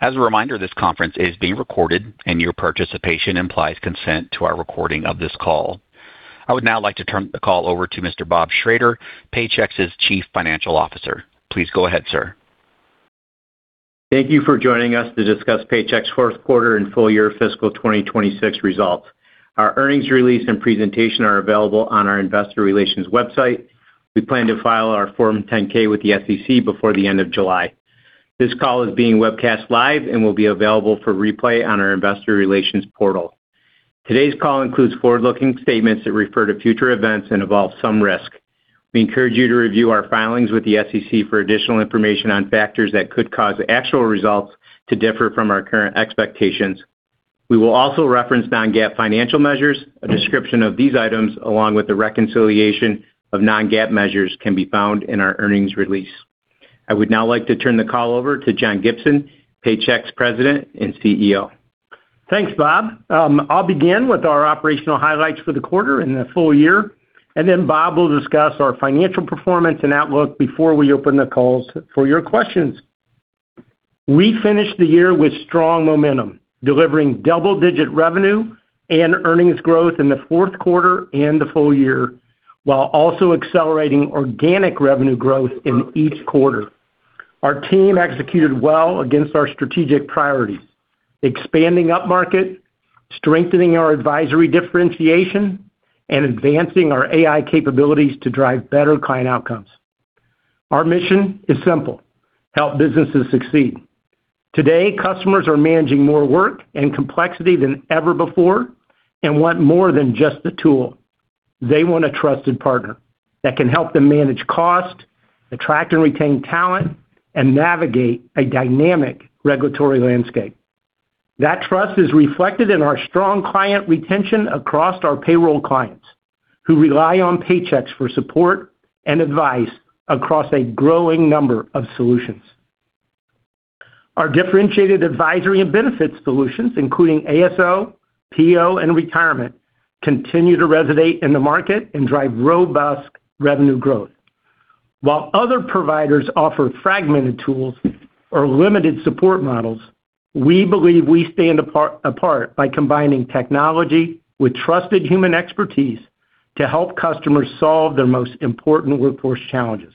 As a reminder, this conference is being recorded, and your participation implies consent to our recording of this call. I would now like to turn the call over to Mr. Bob Schrader, Paychex's Chief Financial Officer. Please go ahead, sir. Thank you for joining us to discuss Paychex fourth quarter and full-year fiscal 2026 results. Our earnings release and presentation are available on our investor relations website. We plan to file our Form 10-K with the SEC before the end of July. This call is being webcast live and will be available for replay on our investor relations portal. Today's call includes forward-looking statements that refer to future events and involve some risk. We encourage you to review our filings with the SEC for additional information on factors that could cause actual results to differ from our current expectations. We will also reference non-GAAP financial measures. A description of these items, along with a reconciliation of non-GAAP measures, can be found in our earnings release. I would now like to turn the call over to John Gibson, Paychex President and CEO. Thanks, Bob. I'll begin with our operational highlights for the quarter and the full year, and then Bob will discuss our financial performance and outlook before we open the calls for your questions. We finished the year with strong momentum, delivering double-digit revenue and earnings growth in the fourth quarter and the full year, while also accelerating organic revenue growth in each quarter. Our team executed well against our strategic priorities, expanding upmarket, strengthening our advisory differentiation, and advancing our AI capabilities to drive better client outcomes. Our mission is simple: help businesses succeed. Today, customers are managing more work and complexity than ever before and want more than just a tool. They want a trusted partner that can help them manage cost, attract and retain talent, and navigate a dynamic regulatory landscape. That trust is reflected in our strong client retention across our payroll clients who rely on Paychex for support and advice across a growing number of solutions. Our differentiated advisory and benefits solutions, including ASO, PEO, and Retirement, continue to resonate in the market and drive robust revenue growth. While other providers offer fragmented tools or limited support models, we believe we stand apart by combining technology with trusted human expertise to help customers solve their most important workforce challenges.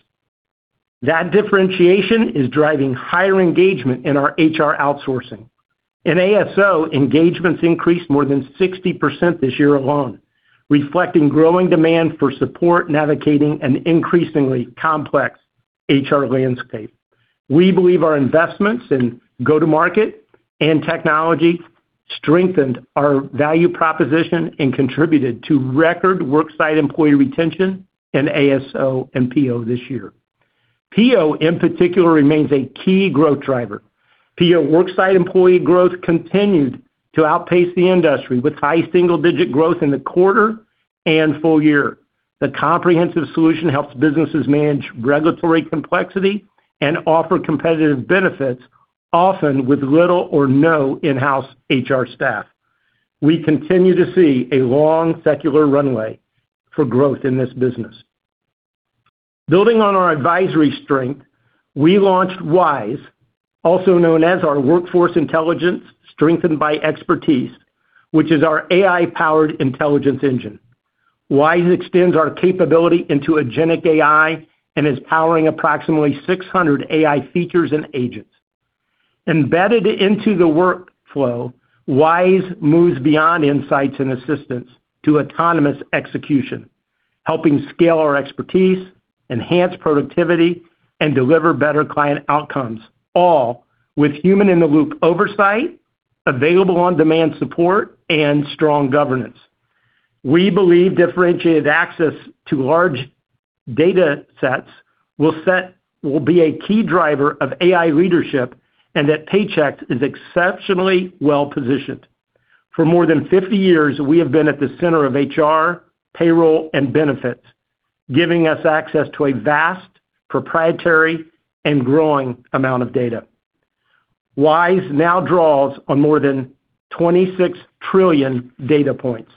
That differentiation is driving higher engagement in our HR outsourcing. In ASO, engagements increased more than 60% this year alone, reflecting growing demand for support, navigating an increasingly complex HR landscape. We believe our investments in go-to-market and technology strengthened our value proposition and contributed to record worksite employee retention in ASO and PEO this year. PEO, in particular, remains a key growth driver. PEO worksite employee growth continued to outpace the industry, with high single-digit growth in the quarter and full year. The comprehensive solution helps businesses manage regulatory complexity and offer competitive benefits, often with little or no in-house HR staff. We continue to see a long secular runway for growth in this business. Building on our advisory strength, we launched WISE, also known as our Workforce Intelligence Strengthened by Expertise, which is our AI-powered intelligence engine. WISE extends our capability into agentic AI and is powering approximately 600 AI features and agents. Embedded into the workflow, WISE moves beyond insights and assistance, to autonomous execution, helping scale our expertise, enhance productivity, and deliver better client outcomes, all with human-in-the-loop oversight, available on-demand support, and strong governance. We believe differentiated access to large data sets will be a key driver of AI leadership, and that Paychex is exceptionally well-positioned. For more than 50 years, we have been at the center of HR, payroll, and benefits, giving us access to a vast proprietary and growing amount of data. WISE now draws on more than 26 trillion data points,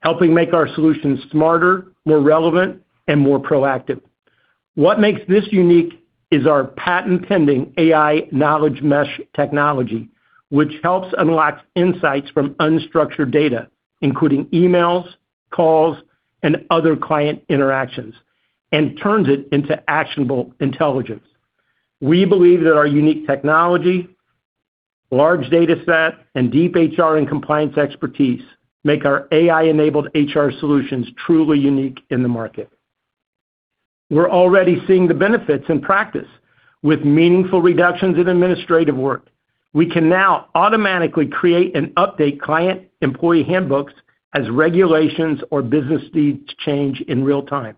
helping make our solutions smarter, more relevant, and more proactive. What makes this unique is our patent-pending AI knowledge mesh technology, which helps unlock insights from unstructured data, including emails, calls, and other client interactions, and turns it into actionable intelligence. We believe that our unique technology, large data set, and deep HR and compliance expertise make our AI-enabled HR solutions truly unique in the market. We're already seeing the benefits in practice with meaningful reductions in administrative work. We can now automatically create and update client employee handbooks as regulations or business needs change in real time.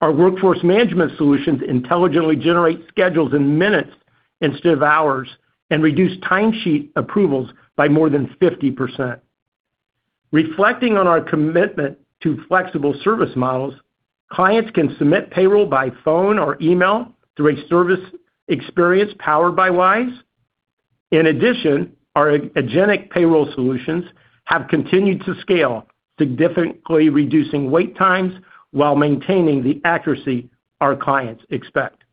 Our workforce management solutions intelligently generate schedules in minutes instead of hours and reduce timesheet approvals by more than 50%. Reflecting on our commitment to flexible service models, clients can submit payroll by phone or email through a service experience powered by WISE. In addition, our agentic payroll solutions have continued to scale, significantly reducing wait times while maintaining the accuracy our clients expect.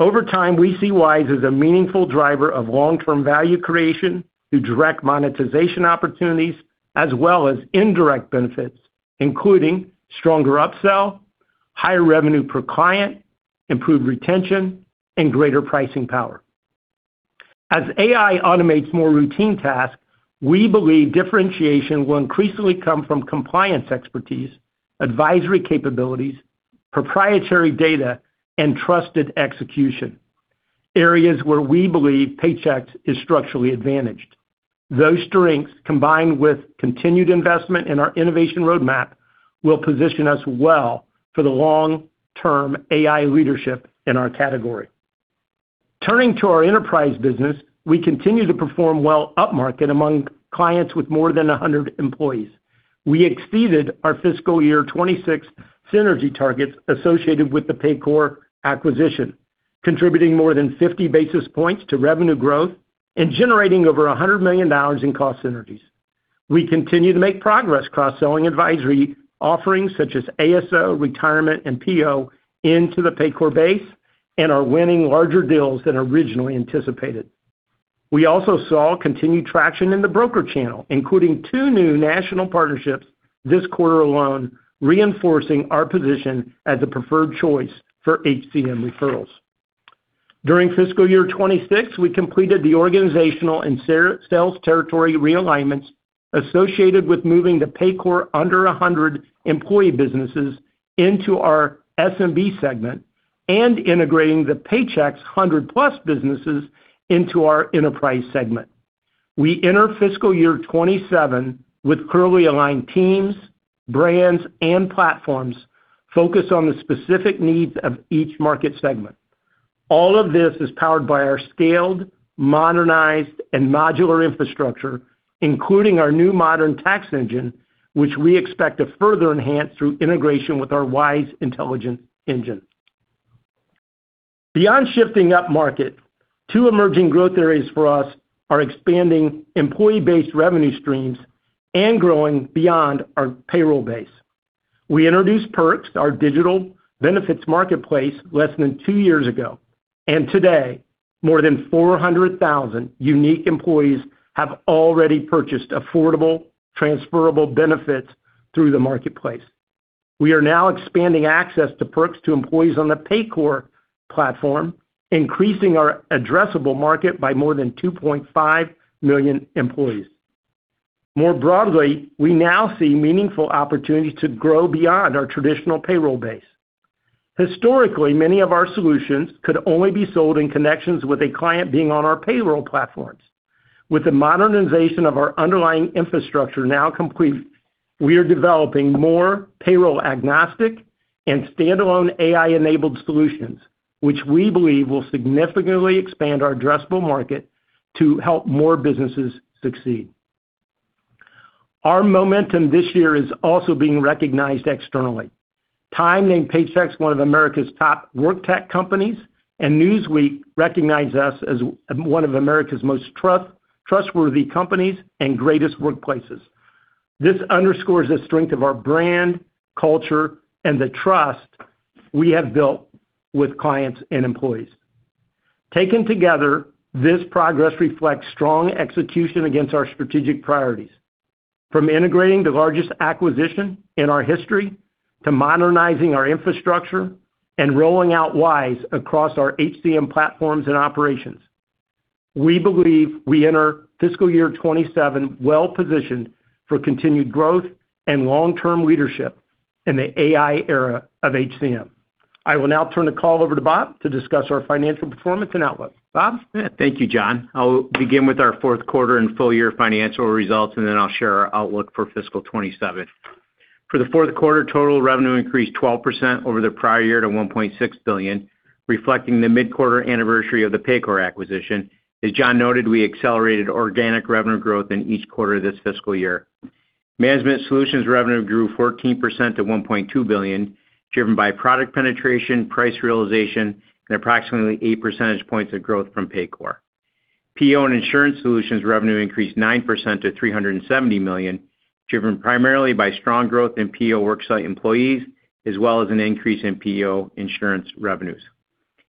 Over time, we see WISE as a meaningful driver of long-term value creation through direct monetization opportunities as well as indirect benefits, including stronger upsell, higher revenue per client, improved retention, and greater pricing power. As AI automates more routine tasks, we believe differentiation will increasingly come from compliance expertise, advisory capabilities, proprietary data, and trusted execution, areas where we believe Paychex is structurally advantaged. Those strengths, combined with continued investment in our innovation roadmap, will position us well for the long-term AI leadership in our category. Turning to our enterprise business, we continue to perform well upmarket among clients with more than 100 employees. We exceeded our Fiscal Year 2026 synergy targets associated with the Paycor acquisition, contributing more than 50 basis points to revenue growth and generating over $100 million in cost synergies. We continue to make progress cross-selling advisory offerings such as ASO, Retirement, and PEO into the Paycor base and are winning larger deals than originally anticipated. We also saw continued traction in the broker channel, including two new national partnerships this quarter alone, reinforcing our position as the preferred choice for HCM referrals. During Fiscal Year 2026, we completed the organizational and sales territory realignments associated with moving the Paycor under 100 employee businesses into our SMB segment and integrating the Paychex 100+ businesses into our enterprise segment. We enter Fiscal Year 2027 with clearly aligned teams, brands, and platforms focused on the specific needs of each market segment. All of this is powered by our scaled, modernized, and modular infrastructure, including our new modern tax engine, which we expect to further enhance through integration with our WISE intelligent engine. Beyond shifting upmarket, two emerging growth areas for us are expanding employee-based revenue streams and growing beyond our payroll base. We introduced Perks, our digital benefits marketplace, less than two years ago, and today, more than 400,000 unique employees have already purchased affordable, transferable benefits through the marketplace. We are now expanding access to Perks to employees on the Paycor platform, increasing our addressable market by more than 2.5 million employees. More broadly, we now see meaningful opportunities to grow beyond our traditional payroll base. Historically, many of our solutions could only be sold in connections with a client being on our payroll platforms. With the modernization of our underlying infrastructure now complete, we are developing more payroll-agnostic and standalone AI-enabled solutions, which we believe will significantly expand our addressable market to help more businesses succeed. Our momentum this year is also being recognized externally. TIME named Paychex one of America's Top WorkTech Companies, and Newsweek recognized us as one of America's Most Trustworthy Companies and Greatest Workplaces. This underscores the strength of our brand, culture, and the trust we have built with clients and employees. Taken together, this progress reflects strong execution against our strategic priorities, from integrating the largest acquisition in our history to modernizing our infrastructure and rolling out WISE across our HCM platforms and operations. We believe we enter Fiscal Year 2027 well-positioned for continued growth and long-term leadership in the AI era of HCM. I will now turn the call over to Bob to discuss our financial performance and outlook. Bob? Thank you, John. I'll begin with our fourth quarter and full-year financial results, and then I'll share our outlook for fiscal 2027. For the fourth quarter, total revenue increased 12% over the prior year to $1.6 billion, reflecting the midquarter anniversary of the Paycor acquisition. As John noted, we accelerated organic revenue growth in each quarter of this fiscal year. Management Solutions revenue grew 14% to $1.2 billion, driven by product penetration, price realization, and approximately eight percentage points of growth from Paycor. PEO and Insurance Solutions revenue increased 9% to $370 million, driven primarily by strong growth in PEO worksite employees, as well as an increase in PEO insurance revenues.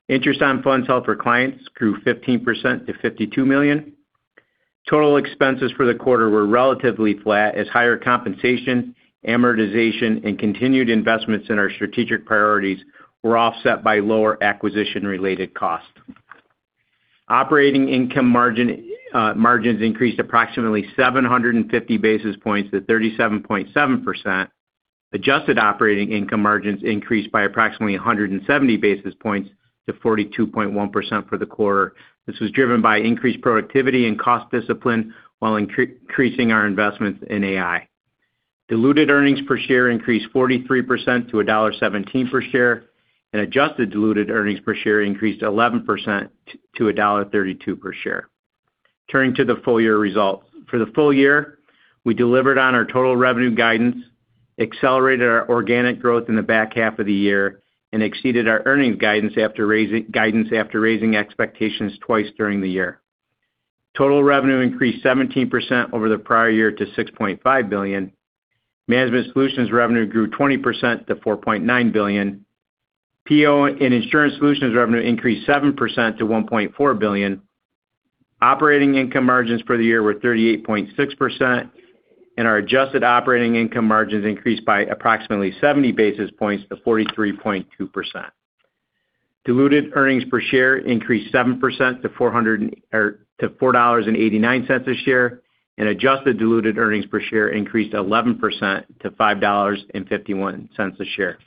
Interest on funds held for clients grew 15% to $52 million. Total expenses for the quarter were relatively flat as higher compensation, amortization, and continued investments in our strategic priorities were offset by lower acquisition-related costs. Operating income margins increased approximately 750 basis points to 37.7%. Adjusted operating income margins increased by approximately 170 basis points to 42.1% for the quarter. This was driven by increased productivity and cost discipline while increasing our investments in AI. Diluted earnings per share increased 43% to $1.17 per share, and adjusted diluted earnings per share increased 11% to $1.32 per share. Turning to the full-year results. For the full year, we delivered on our total revenue guidance, accelerated our organic growth in the back half of the year, and exceeded our earnings guidance after raising expectations twice during the year. Total revenue increased 17% over the prior year to $6.5 billion. Management Solutions revenue grew 20% to $4.9 billion. PEO and Insurance Solutions revenue increased 7% to $1.4 billion. Operating income margins for the year were 38.6%, and our adjusted operating income margins increased by approximately 70 basis points to 43.2%. Diluted earnings per share increased 7% to $4.89 per share, and adjusted diluted earnings per share increased 11% to $5.51 per share.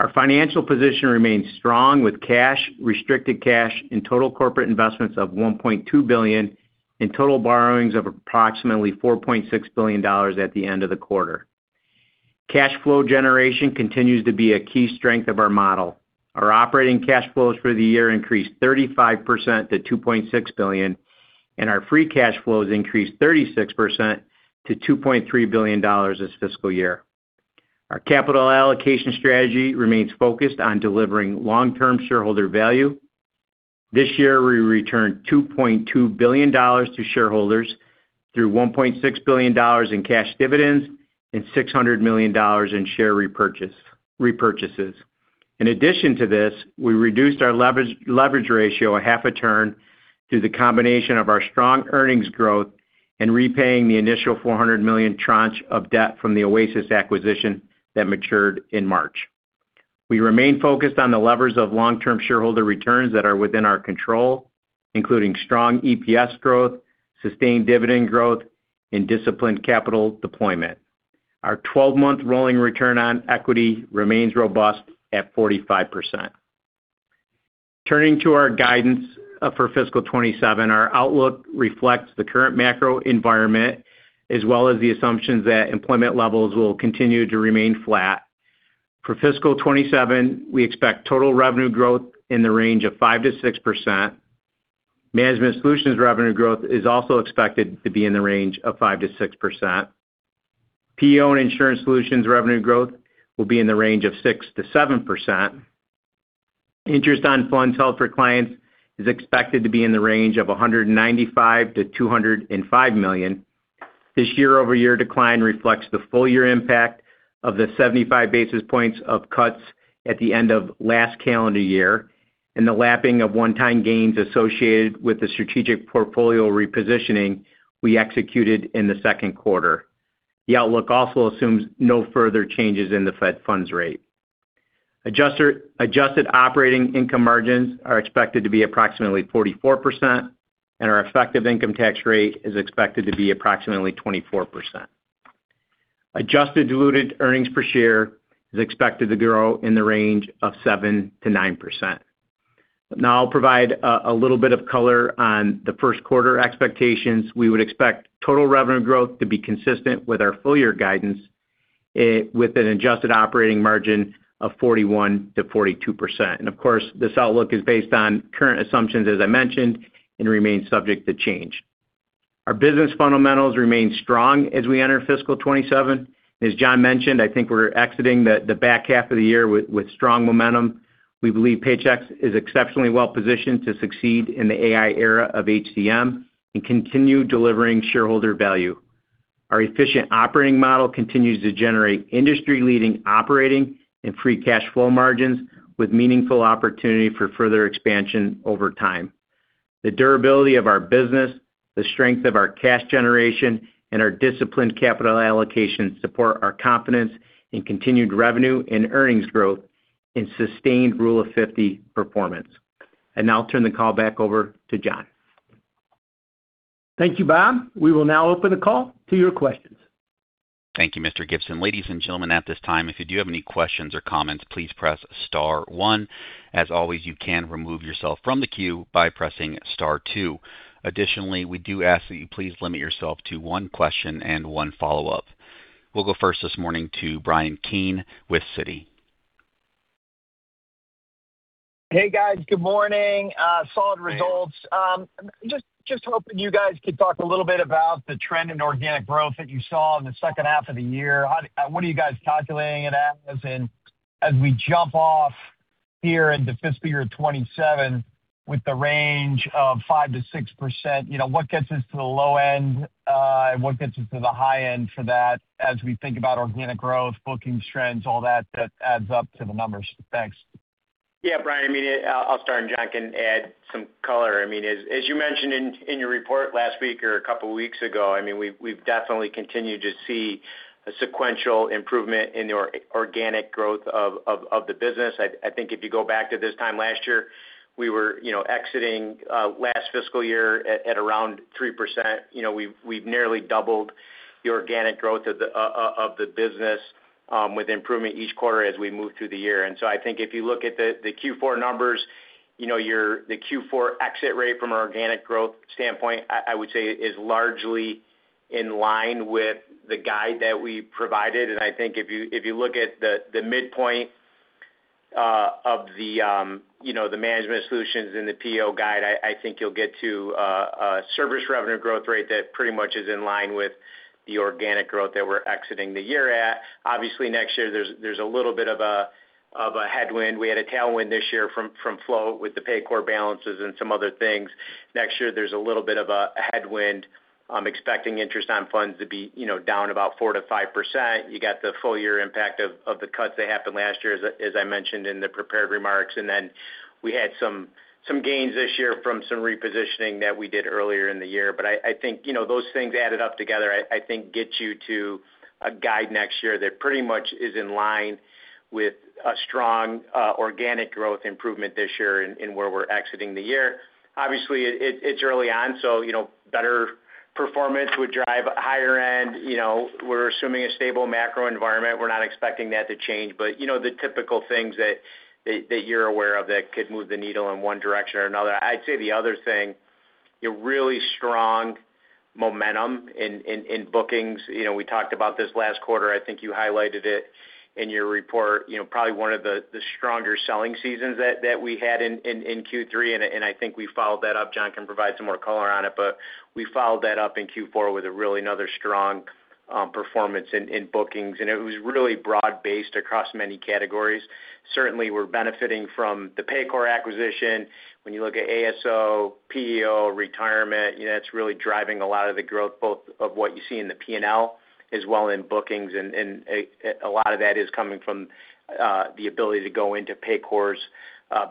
Our financial position remains strong with cash, restricted cash, and total corporate investments of $1.2 billion, and total borrowings of approximately $4.6 billion at the end of the quarter. Cash flow generation continues to be a key strength of our model. Our operating cash flows for the year increased 35% to $2.6 billion, and our free cash flows increased 36% to $2.3 billion this fiscal year. Our capital allocation strategy remains focused on delivering long-term shareholder value. This year, we returned $2.2 billion to shareholders through $1.6 billion in cash dividends and $600 million in share repurchases. In addition to this, we reduced our leverage ratio a half a turn through the combination of our strong earnings growth and repaying the initial $400 million tranche of debt from the Oasis acquisition that matured in March. We remain focused on the levers of long-term shareholder returns that are within our control, including strong EPS growth, sustained dividend growth, and disciplined capital deployment. Our 12-month rolling return on equity remains robust at 45%. Turning to our guidance for fiscal 2027, our outlook reflects the current macro environment, as well as the assumptions that employment levels will continue to remain flat. For fiscal 2027, we expect total revenue growth in the range of 5%-6%. Management Solutions revenue growth is also expected to be in the range of 5%-6%. PEO and Insurance Solutions revenue growth will be in the range of 6%-7%. Interest on funds held for clients is expected to be in the range of $195 million-$205 million. This year-over-year decline reflects the full-year impact of the 75 basis points of cuts at the end of last calendar year and the lapping of one-time gains associated with the strategic portfolio repositioning we executed in the second quarter. The outlook also assumes no further changes in the Fed funds rate. Adjusted operating income margins are expected to be approximately 44%, and our effective income tax rate is expected to be approximately 24%. Adjusted diluted earnings per share is expected to grow in the range of 7%-9%. Now I'll provide a little bit of color on the first quarter expectations. We would expect total revenue growth to be consistent with our full-year guidance, with an adjusted operating margin of 41%-42%. Of course, this outlook is based on current assumptions, as I mentioned, and remains subject to change. Our business fundamentals remain strong as we enter fiscal 2027. As John mentioned, I think we're exiting the back half of the year with strong momentum. We believe Paychex is exceptionally well-positioned to succeed in the AI era of HCM and continue delivering shareholder value. Our efficient operating model continues to generate industry-leading operating and free cash flow margins, with meaningful opportunity for further expansion over time. The durability of our business, the strength of our cash generation, and our disciplined capital allocation support our confidence in continued revenue and earnings growth and sustained Rule of 50 performance. Now I'll turn the call back over to John. Thank you, Bob. We will now open the call to your questions. Thank you, Mr. Gibson. Ladies and gentlemen, at this time, if you do have any questions or comments, please press star one. As always, you can remove yourself from the queue by pressing star two. Additionally, we do ask that you please limit yourself to one question and one follow-up. We'll go first this morning to Bryan Keane with Citi. Hey, guys. Good morning. Solid results. Just hoping you guys could talk a little bit about the trend in organic growth that you saw in the second half of the year. What are you guys calculating it as? As we jump off here into Fiscal Year 2027 with the range of 5%-6%, what gets us to the low end and what gets us to the high end for that as we think about organic growth, booking trends, all that adds up to the numbers? Thanks. Yeah, Bryan, I'll start. John can add some color. As you mentioned in your report last week or a couple of weeks ago, we've definitely continued to see a sequential improvement in the organic growth of the business. I think if you go back to this time last year, we were exiting last fiscal year at around 3%. We've nearly doubled the organic growth of the business, with improvement each quarter as we moved through the year. I think if you look at the Q4 numbers, the Q4 exit rate from an organic growth standpoint, I would say, is largely in line with the guide that we provided. I think if you look at the midpoint of the Management Solutions in the PEO guide, I think you'll get to a service revenue growth rate that pretty much is in line with the organic growth that we're exiting the year at. Obviously, next year, there's a little bit of a headwind. We had a tailwind this year from float with the Paycor balances and some other things. Next year, there's a little bit of a headwind. I'm expecting interest on funds to be down about 4%-5%. You got the full year impact of the cuts that happened last year, as I mentioned in the prepared remarks, and then we had some gains this year from some repositioning that we did earlier in the year. I think those things added up together, I think get you to a guide next year that pretty much is in line with a strong organic growth improvement this year in where we're exiting the year. Obviously, it's early on, so better performance would drive higher end. We're assuming a stable macro environment. We're not expecting that to change. The typical things that you're aware of that could move the needle in one direction or another. I'd say the other thing, really strong momentum in bookings. We talked about this last quarter. I think you highlighted it in your report, probably one of the stronger selling seasons that we had in Q3. I think we followed that up. John can provide some more color on it, we followed that up in Q4 with really another strong performance in bookings. It was really broad-based across many categories. Certainly, we're benefiting from the Paycor acquisition. When you look at ASO, PEO, retirement, that's really driving a lot of the growth, both of what you see in the P&L as well in bookings. A lot of that is coming from the ability to go into Paycor's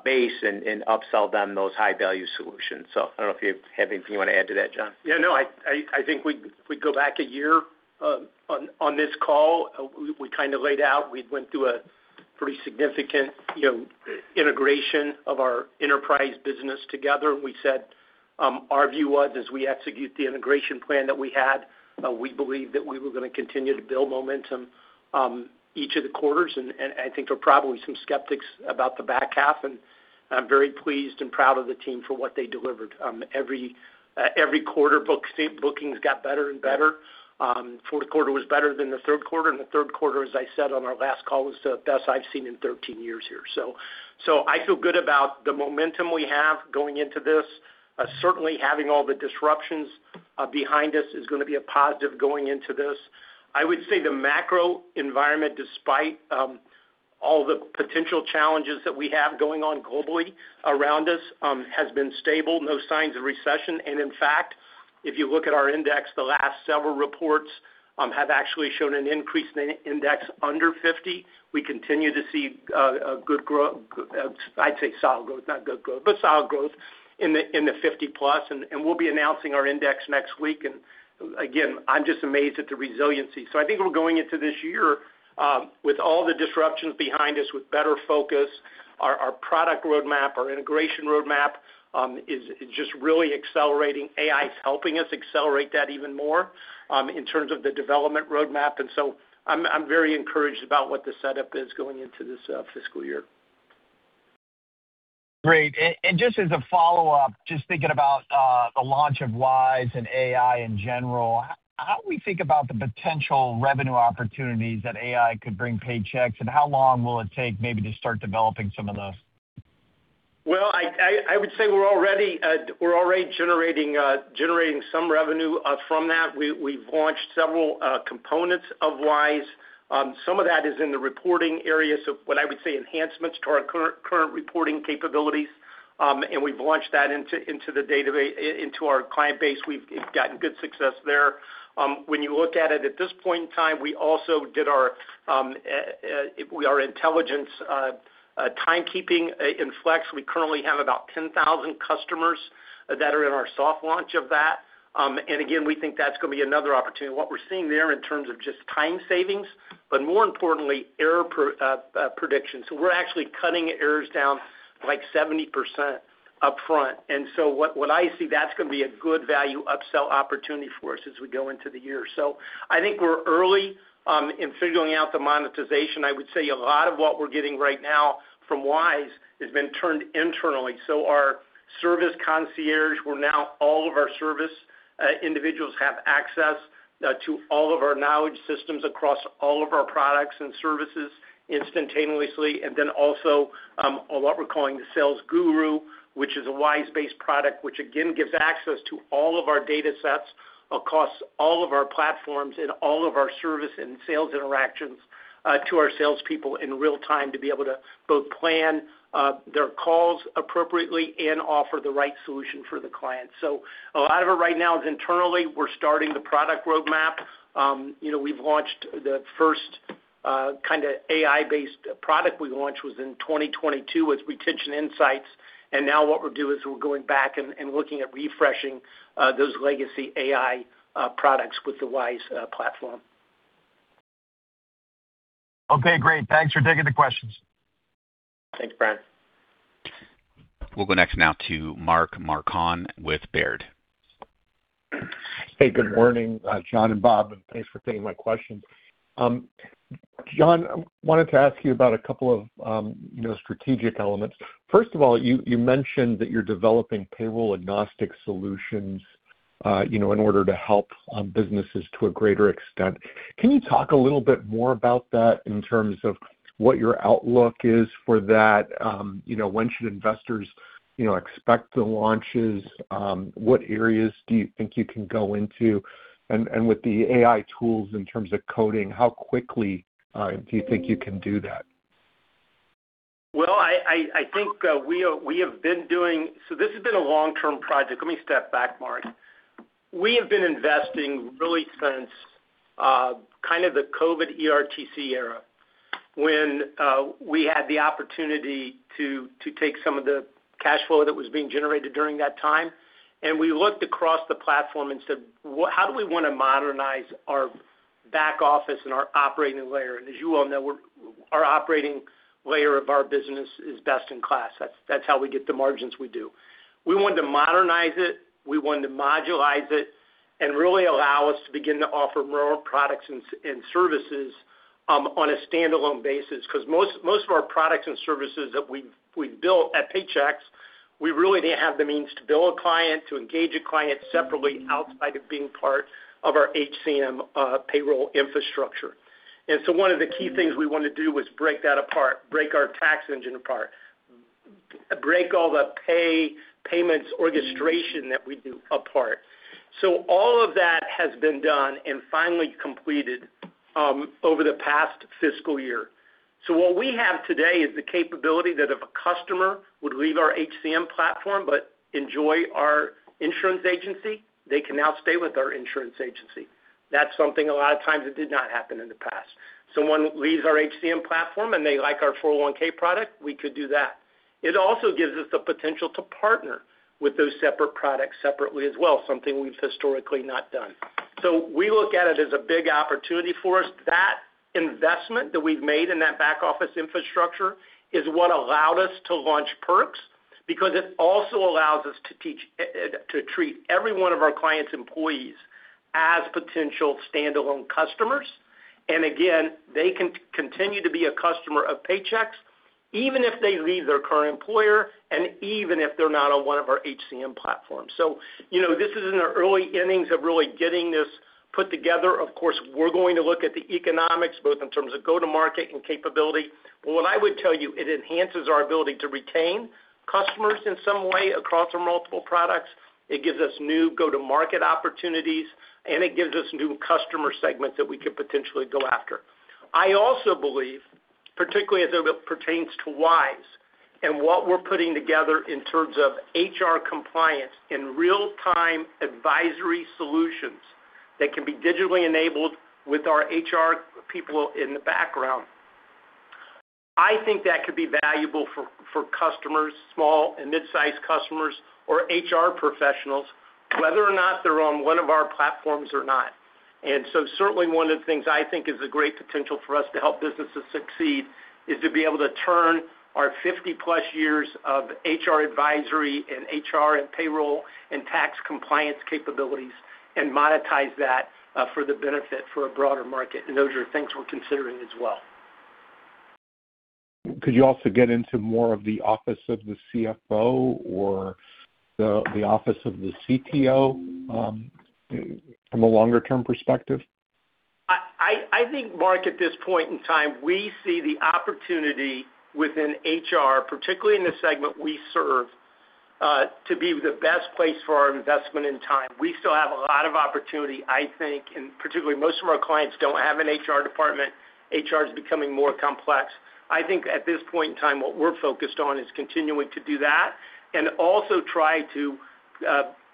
base and upsell them those high-value solutions. I don't know if you have anything you want to add to that, John? I think if we go back a year on this call, we laid out, we went through a pretty significant integration of our enterprise business together. We said our view was as we execute the integration plan that we had, that we believe that we were going to continue to build momentum each of the quarters. I think there were probably some skeptics about the back half, and I'm very pleased and proud of the team for what they delivered. Every quarter, bookings got better and better. Fourth quarter was better than the third quarter, and the third quarter, as I said on our last call, was the best I've seen in 13 years here. I feel good about the momentum we have going into this. Certainly having all the disruptions behind us is going to be a positive going into this. I would say the macro environment, despite all the potential challenges that we have going on globally around us has been stable, no signs of recession. In fact, if you look at our index, the last several reports have actually shown an increase in index under 50. We continue to see a good growth, I'd say solid growth, not good growth, but solid growth in the 50+, and we'll be announcing our index next week. Again, I'm just amazed at the resiliency. I think we're going into this year with all the disruptions behind us with better focus. Our product roadmap, our integration roadmap is just really accelerating. AI is helping us accelerate that even more in terms of the development roadmap, and I'm very encouraged about what the setup is going into this fiscal year. Great. Just as a follow-up, just thinking about the launch of WISE and AI in general, how do we think about the potential revenue opportunities that AI could bring Paychex, and how long will it take maybe to start developing some of those? I would say we're already generating some revenue from that. We've launched several components of WISE. Some of that is in the reporting area, so what I would say enhancements to our current reporting capabilities, we've launched that into our client base. We've gotten good success there. When you look at it at this point in time, we also did our intelligence timekeeping in Flex. We currently have about 10,000 customers that are in our soft launch of that. Again, we think that's going to be another opportunity. What we're seeing there in terms of just time savings, but more importantly, error prediction. We're actually cutting errors down, like 70% up front. What I see, that's going to be a good value upsell opportunity for us as we go into the year. I think we're early in figuring out the monetization. I would say a lot of what we're getting right now from WISE has been turned internally. Our service concierge, where now all of our service individuals have access to all of our knowledge systems across all of our products and services instantaneously. Also, what we're calling the Sales Guru, which is a WISE-based product, which again gives access to all of our datasets across all of our platforms and all of our service and sales interactions to our salespeople in real time to be able to both plan their calls appropriately and offer the right solution for the client. A lot of it right now is internally, we're starting the product roadmap. The first kind of AI-based product we launched was in 2022 with Retention Insights, and now what we'll do is we're going back and looking at refreshing those legacy AI products with the WISE platform. Okay, great. Thanks for taking the questions. Thanks, Bryan. We'll go next now to Mark Marcon with Baird. Hey, good morning, John and Bob, thanks for taking my questions. John, I wanted to ask you about a couple of strategic elements. First of all, you mentioned that you're developing payroll agnostic solutions in order to help businesses to a greater extent. Can you talk a little bit more about that in terms of what your outlook is for that? When should investors expect the launches? What areas do you think you can go into? With the AI tools in terms of coding, how quickly do you think you can do that? Well, this has been a long-term project. Let me step back, Mark. We have been investing really since the COVID ERTC era, when we had the opportunity to take some of the cash flow that was being generated during that time, and we looked across the platform and said, how do we want to modernize our back office and our operating layer? As you well know, our operating layer of our business is best in class. That's how we get the margins we do. We wanted to modernize it, we wanted to modularize it, and really allow us to begin to offer more products and services on a standalone basis. Because most of our products and services that we've built at Paychex, we really didn't have the means to bill a client, to engage a client separately outside of being part of our HCM payroll infrastructure. One of the key things we wanted to do was break that apart, break our tax engine apart, break all the payments orchestration that we do apart. All of that has been done and finally completed over the past fiscal year. What we have today is the capability that if a customer would leave our HCM platform but enjoy our insurance agency, they can now stay with our insurance agency. That's something a lot of times that did not happen in the past. Someone leaves our HCM platform and they like our 401(k) product, we could do that. It also gives us the potential to partner with those separate products separately as well, something we've historically not done. We look at it as a big opportunity for us. That investment that we've made in that back office infrastructure is what allowed us to launch Perks, because it also allows us to treat every one of our clients' employees as potential standalone customers. Again, they can continue to be a customer of Paychex, even if they leave their current employer, and even if they're not on one of our HCM platforms. This is in the early innings of really getting this put together. Of course, we're going to look at the economics, both in terms of go-to-market and capability. What I would tell you, it enhances our ability to retain customers in some way across our multiple products, and it gives us new go-to-market opportunities, and it gives us new customer segments that we could potentially go after. I also believe, particularly as it pertains to WISE and what we're putting together in terms of HR compliance and real-time advisory solutions that can be digitally enabled with our HR people in the background, I think that could be valuable for customers, small and mid-size customers or HR professionals, whether or not they're on one of our platforms or not. Certainly one of the things I think is a great potential for us to help businesses succeed is to be able to turn our 50+ years of HR advisory, and HR and payroll, and tax compliance capabilities, and monetize that for the benefit for a broader market, and those are things we're considering as well. Could you also get into more of the office of the CFO or the office of the CTO from a longer-term perspective? I think, Mark, at this point in time, we see the opportunity within HR, particularly in the segment we serve, to be the best place for our investment and time. We still have a lot of opportunity, I think, and particularly most of our clients don't have an HR department. HR is becoming more complex. I think at this point in time, what we're focused on is continuing to do that, and also try to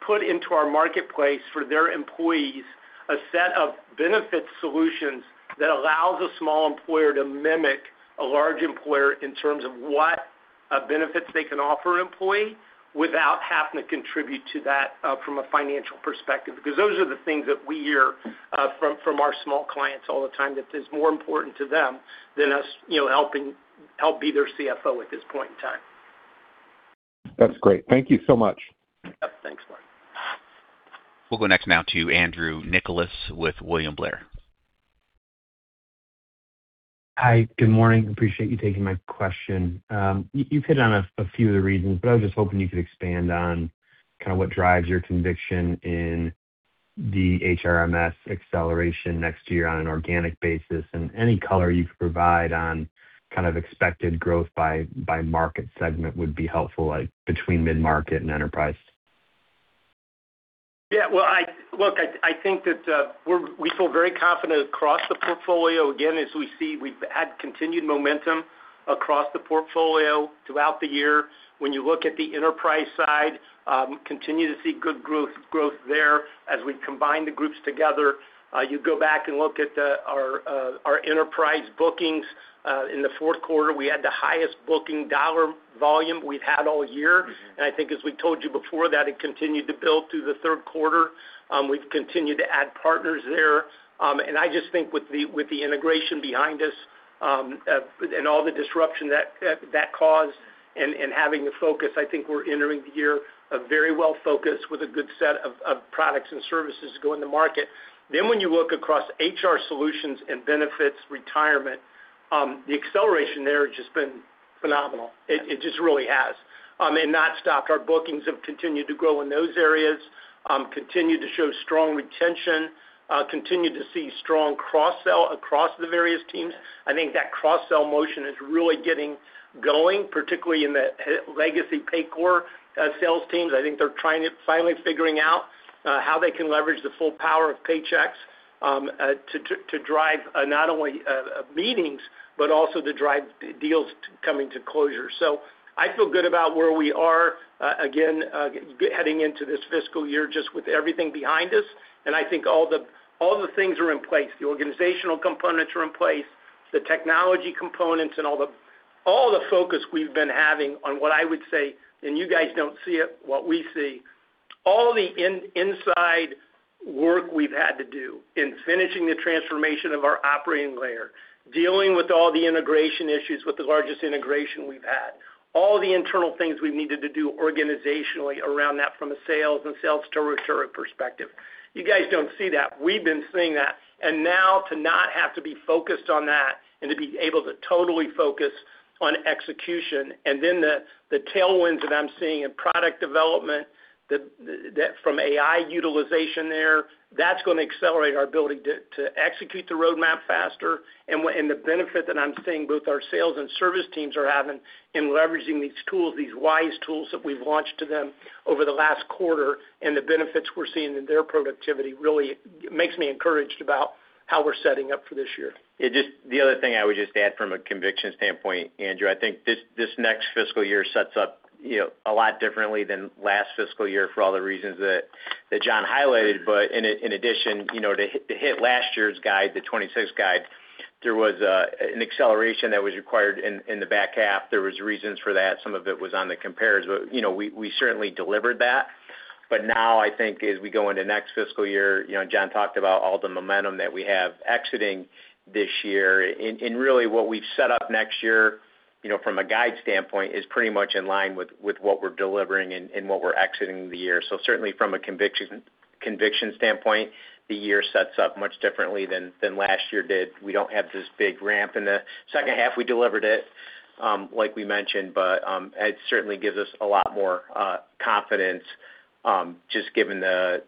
put into our marketplace for their employees a set of benefit solutions that allows a small employer to mimic a large employer in terms of what benefits they can offer an employee without having to contribute to that from a financial perspective. Those are the things that we hear from our small clients all the time, that it's more important to them than us helping be their CFO at this point in time. That's great. Thank you so much. Yep. Thanks, Mark. We'll go next now to Andrew Nicholas with William Blair. Hi. Good morning. Appreciate you taking my question. You've hit on a few of the reasons, but I was just hoping you could expand on what drives your conviction in the HRMS acceleration next year on an organic basis, and any color you could provide on expected growth by market segment would be helpful, like between mid-market and enterprise. Yeah. Well, look, I think that we feel very confident across the portfolio. Again, as we see, we've had continued momentum across the portfolio throughout the year. When you look at the enterprise side, we continue to see good growth there as we combine the groups together. You go back and look at our enterprise bookings. In the fourth quarter, we had the highest booking dollar volume we've had all year, and I think as we told you before, that it continued to build through the third quarter. We've continued to add partners there. I just think with the integration behind us, and all the disruption that that caused and having the focus, I think we're entering the year very well-focused with a good set of products and services to go in the market. When you look across HR solutions and benefits retirement, the acceleration there has just been phenomenal. It just really has, not stopped. Our bookings have continued to grow in those areas, continued to show strong retention, continued to see strong cross-sell across the various teams. I think that cross-sell motion is really getting going, particularly in the legacy Paycor sales teams. I think they're finally figuring out how they can leverage the full power of Paychex to drive not only meetings, but also to drive deals coming to closure. I feel good about where we are, again, heading into this fiscal year, just with everything behind us. I think all the things are in place. The organizational components are in place, the technology components, and all the focus we've been having on what I would say, and you guys don't see it, what we see. All the inside work we've had to do in finishing the transformation of our operating layer, dealing with all the integration issues with the largest integration we've had. All the internal things we've needed to do organizationally around that from a sales and sales territory perspective. You guys don't see that. We've been seeing that. Now to not have to be focused on that and to be able to totally focus on execution, and then the tailwinds that I'm seeing in product development, from AI utilization there, that's going to accelerate our ability to execute the roadmap faster. The benefit that I'm seeing both our sales and service teams are having in leveraging these tools, these WISE tools that we've launched to them over the last quarter, and the benefits we're seeing in their productivity really makes me encouraged about how we're setting up for this year. The other thing I would just add from a conviction standpoint, Andrew, I think this next fiscal year sets up a lot differently than last fiscal year for all the reasons that John highlighted. In addition, to hit last year's guide, the 2026 guide, there was an acceleration that was required in the back half. There was reasons for that. Some of it was on the compares, but we certainly delivered that. Now I think as we go into next fiscal year, John talked about all the momentum that we have exiting this year. Really what we've set up next year from a guide standpoint is pretty much in line with what we're delivering and what we're exiting the year. Certainly from a conviction standpoint, the year sets up much differently than last year did. We don't have this big ramp in the second half. We delivered it, like we mentioned, but it certainly gives us a lot more confidence just given the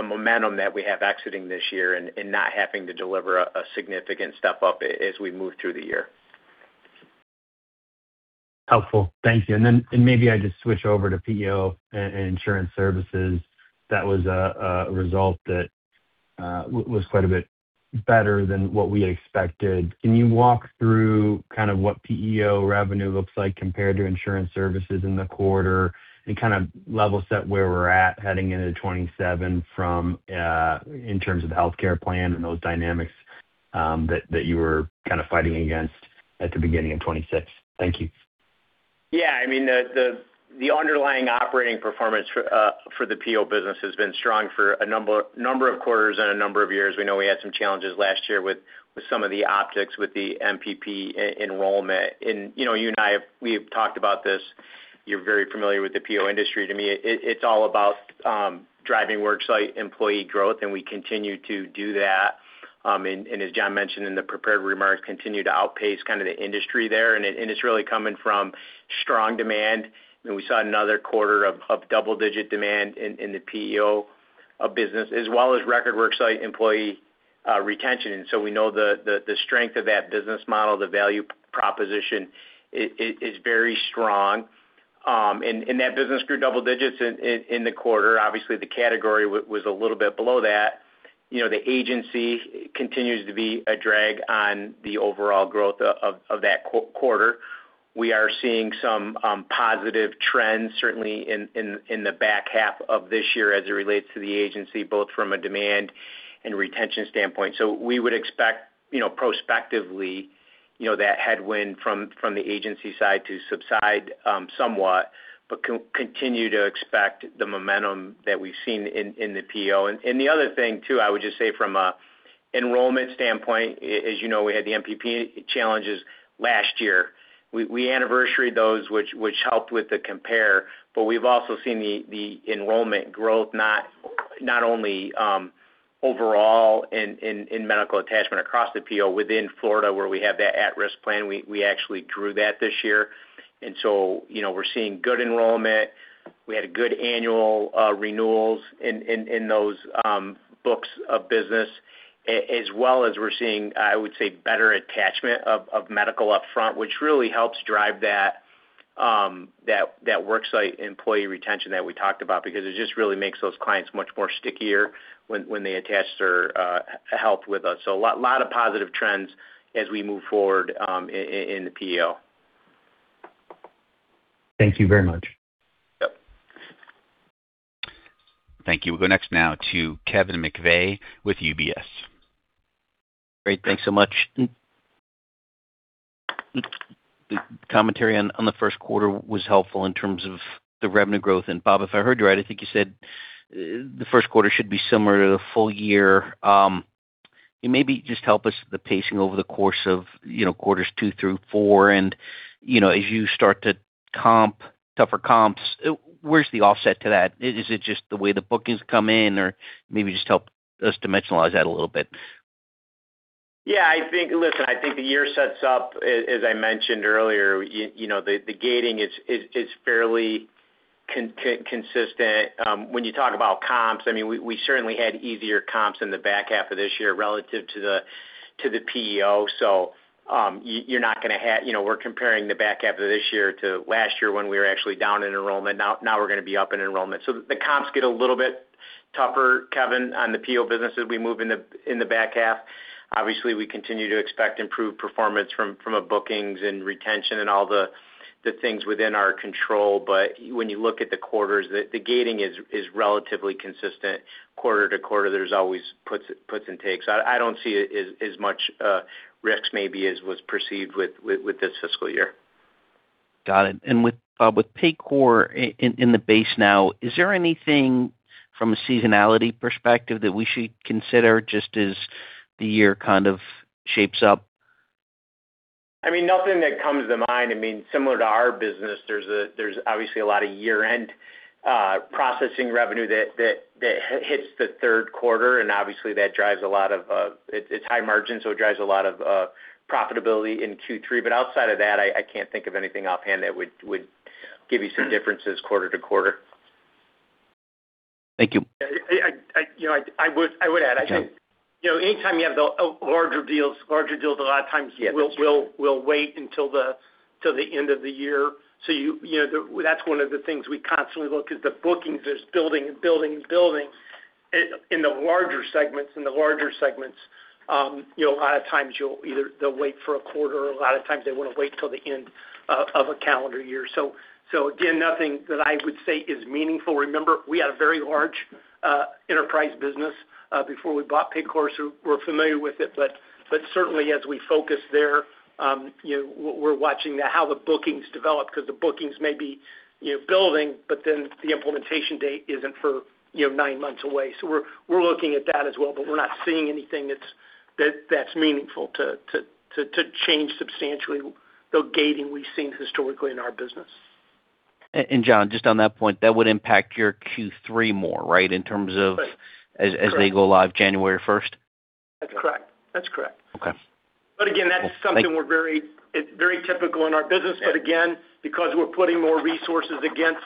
momentum that we have exiting this year and not having to deliver a significant step up as we move through the year. Helpful. Thank you. Then maybe I just switch over to PEO and Insurance services. That was a result that was quite a bit better than what we expected. Can you walk through kind of what PEO revenue looks like compared to Insurance services in the quarter and kind of level set where we're at heading into 2027 in terms of the healthcare plan and those dynamics that you were kind of fighting against at the beginning of 2026? Thank you. Yeah, the underlying operating performance for the PEO business has been strong for a number of quarters and a number of years. We know we had some challenges last year with some of the optics with the MPP enrollment. You and I, we have talked about this. You're very familiar with the PEO industry. To me, it's all about driving worksite employee growth, and we continue to do that. As John mentioned in the prepared remarks, continue to outpace kind of the industry there, and it's really coming from strong demand. We saw another quarter of double-digit demand in the PEO business, as well as record worksite employee retention. So we know the strength of that business model, the value proposition is very strong. That business grew double-digits in the quarter. Obviously, the category was a little bit below that. The agency continues to be a drag on the overall growth of that quarter. We are seeing some positive trends, certainly in the back half of this year as it relates to the agency, both from a demand and retention standpoint. We would expect, prospectively, that headwind from the agency side to subside somewhat, but continue to expect the momentum that we've seen in the PEO. The other thing, too, I would just say from an enrollment standpoint, as you know, we had the MPP challenges last year. We anniversaried those, which helped with the compare, but we've also seen the enrollment growth not only overall in medical attachment across the PEO within Florida, where we have that at-risk plan. We actually grew that this year. So we're seeing good enrollment. We had good annual renewals in those books of business, as well as we're seeing, I would say, better attachment of medical upfront, which really helps drive that worksite employee retention that we talked about, because it just really makes those clients much more stickier when they attach their health with us. A lot of positive trends as we move forward in the PEO. Thank you very much. Yep. Thank you. We'll go next now to Kevin McVeigh with UBS. Great. Thanks so much. The commentary on the first quarter was helpful in terms of the revenue growth. Bob, if I heard you right, I think you said the first quarter should be similar to the full year. Can you maybe just help us with the pacing over the course of quarters two through four? As you start to comp tougher comps, where's the offset to that? Is it just the way the bookings come in? Maybe just help us dimensionalize that a little bit. Yeah. Listen, I think the year sets up, as I mentioned earlier, the gating is fairly consistent. When you talk about comps, we certainly had easier comps in the back half of this year relative to the PEO. We're comparing the back half of this year to last year when we were actually down in enrollment. Now we're going to be up in enrollment. The comps get a little bit tougher, Kevin, on the PEO business as we move in the back half. Obviously, we continue to expect improved performance from a bookings and retention and all the things within our control. When you look at the quarters, the gating is relatively consistent quarter-to-quarter. There's always puts and takes. I don't see it as much risks maybe as was perceived with this fiscal year. Got it. With Paycor in the base now, is there anything from a seasonality perspective that we should consider just as the year kind of shapes up? Nothing that comes to mind. Similar to our business, there's obviously a lot of year-end processing revenue that hits the third quarter, and obviously it's high margin, so it drives a lot of profitability in Q3. Outside of that, I can't think of anything offhand that would give you some differences quarter-to-quarter. Thank you. I would add. Okay. I think, anytime you have the larger deals, larger deals, a lot of times will wait until the end of the year. That's one of the things we constantly look is the bookings is building. In the larger segments, a lot of times they'll wait for a quarter or a lot of times they want to wait till the end of a calendar year. Again, nothing that I would say is meaningful. Remember, we had a very large enterprise business before we bought Paycor, so we're familiar with it. Certainly as we focus there, we're watching how the bookings develop because the bookings may be building, but then the implementation date isn't for nine months away. We're looking at that as well, but we're not seeing anything that's meaningful to change substantially the gating we've seen historically in our business. John, just on that point, that would impact your Q3 more, right? In terms of as they go live January 1st? That's correct. Okay. Again, that's something. Thank you. It's very typical in our business. Again, because we're putting more resources against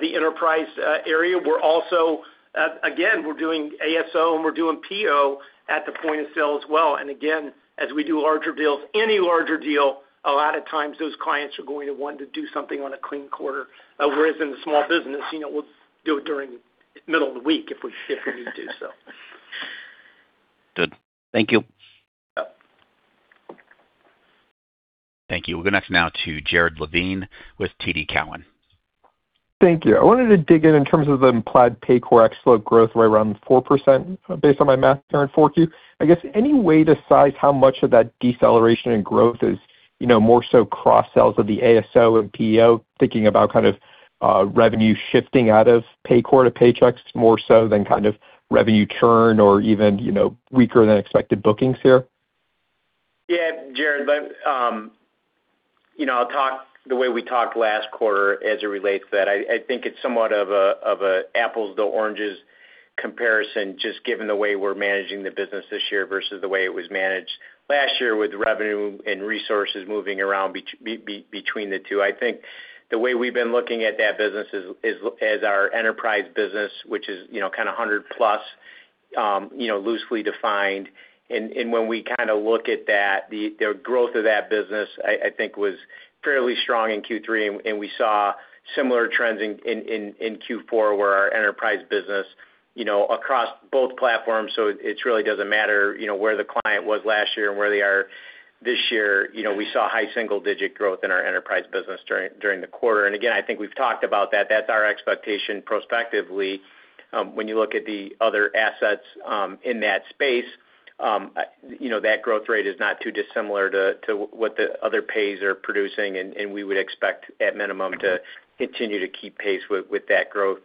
the enterprise area, again, we're doing ASO and we're doing PEO at the point of sale as well. Again, as we do larger deals, any larger deal, a lot of times those clients are going to want to do something on a clean quarter, whereas in the small business, we'll do it during the middle of the week if we need to do so. Good. Thank you. Yep. Thank you. We'll go next now to Jared Levine with TD Cowen. Thank you. I wanted to dig in in terms of the implied Paycor slower growth rate around 4%, based on my math there in 4Q. I guess, any way to size how much of that deceleration in growth is more so cross-sells of the ASO and PEO, thinking about kind of revenue shifting out of Paycor to Paychex more so than kind of revenue churn or even weaker than expected bookings here? Yeah. Jared, I'll talk the way we talked last quarter as it relates to that. I think it's somewhat of an apples to oranges comparison, just given the way we're managing the business this year versus the way it was managed last year with revenue and resources moving around between the two. I think the way we've been looking at that business is as our enterprise business, which is kind of 100+, loosely defined. When we look at that, the growth of that business, I think, was fairly strong in Q3, and we saw similar trends in Q4 where our enterprise business across both platforms. It really doesn't matter where the client was last year and where they are this year. We saw high single-digit growth in our enterprise business during the quarter. Again, I think we've talked about that. That's our expectation prospectively. When you look at the other assets in that space, that growth rate is not too dissimilar to what the other PEOs are producing, and we would expect at minimum to continue to keep pace with that growth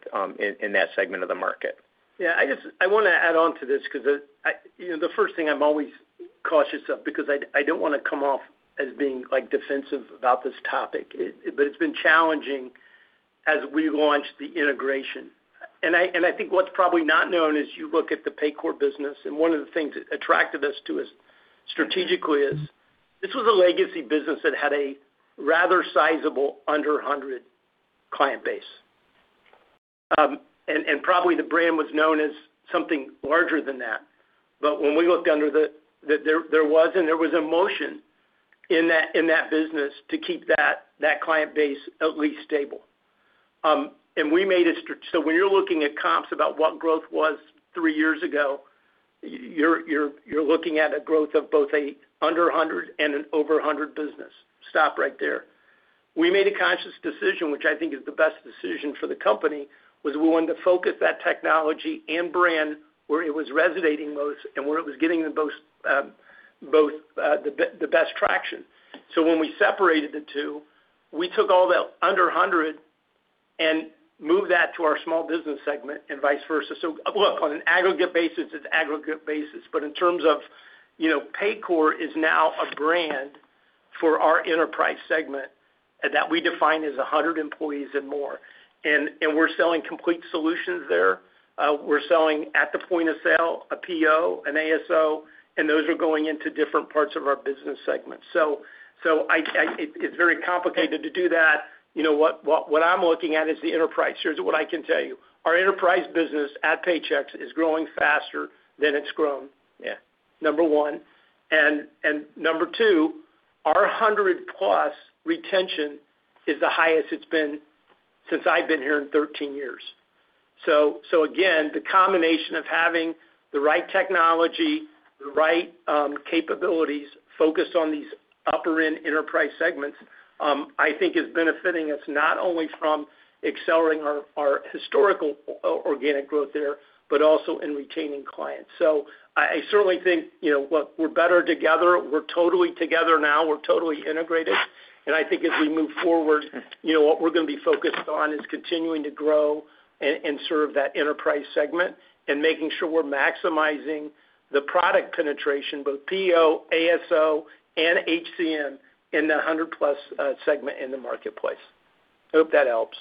in that segment of the market. Yeah. I want to add on to this because the first thing I'm always cautious of, because I don't want to come off as being defensive about this topic. It's been challenging as we launched the integration. I think what's probably not known as you look at the Paycor business, and one of the things that attracted us to it strategically is this was a legacy business that had a rather sizable under 100 client base. Probably the brand was known as something larger than that. When we looked under, there was a motion in that business to keep that client base at least stable. When you're looking at comps about what growth was three years ago, you're looking at a growth of both an under 100 and an over 100 business. Stop right there. We made a conscious decision, which I think is the best decision for the company, was we wanted to focus that technology and brand where it was resonating most and where it was getting the best traction. When we separated the two, we took all the under 100 and moved that to our small business segment and vice versa. Look, on an aggregate basis, it's aggregate basis, but in terms of Paycor is now a brand for our enterprise segment, that we define as 100 employees and more. We're selling complete solutions there. We're selling at the point of sale, a PEO, an ASO, and those are going into different parts of our business segment. It's very complicated to do that. What I'm looking at is the enterprise. Here's what I can tell you. Our enterprise business at Paychex is growing faster than it's grown, number one. Number two, our 100+ retention is the highest it's been since I've been here in 13 years. Again, the combination of having the right technology, the right capabilities focused on these upper-end enterprise segments, I think is benefiting us not only from accelerating our historical organic growth there, but also in retaining clients. I certainly think, look, we're better together. We're totally together now. We're totally integrated. I think as we move forward, what we're going to be focused on is continuing to grow and serve that enterprise segment and making sure we're maximizing the product penetration, both PEO, ASO, and HCM in the 100+ segment in the marketplace. I hope that helps.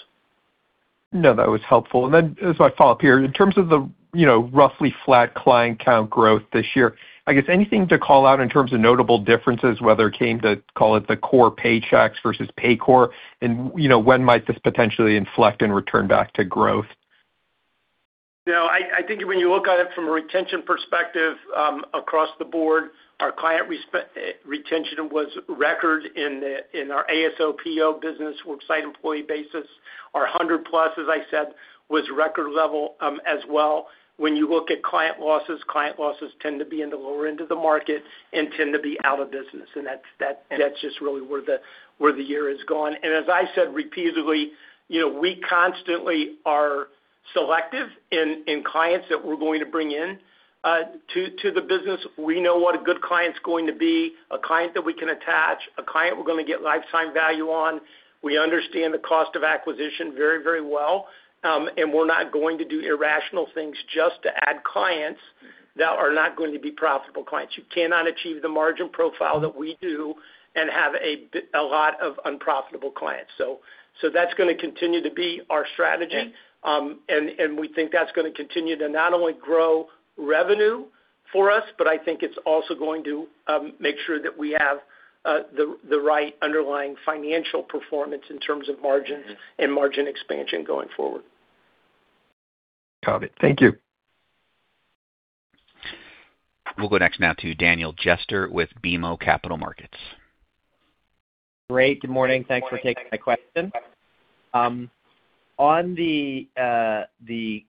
That was helpful. As a follow-up here, in terms of the roughly flat client count growth this year, I guess anything to call out in terms of notable differences, whether it came to, call it the core Paychex versus Paycor, and when might this potentially inflect and return back to growth? I think when you look at it from a retention perspective, across the board, our client retention was record in our ASO/PEO business, worksite employee basis. Our 100+, as I said, was record level as well. When you look at client losses, client losses tend to be in the lower end of the market and tend to be out of business. That's just really where the year has gone. As I said repeatedly, we constantly are selective in clients that we're going to bring in to the business. We know what a good client's going to be, a client that we can attach, a client we're going to get lifetime value on. We understand the cost of acquisition very well, and we're not going to do irrational things just to add clients that are not going to be profitable clients. You cannot achieve the margin profile that we do and have a lot of unprofitable clients. That's going to continue to be our strategy, and we think that's going to continue to not only grow revenue for us, but I think it's also going to make sure that we have the right underlying financial performance in terms of margins and margin expansion going forward. Copy. Thank you. We'll go next now to Daniel Jester with BMO Capital Markets. Great. Good morning. Thanks for taking my question. On the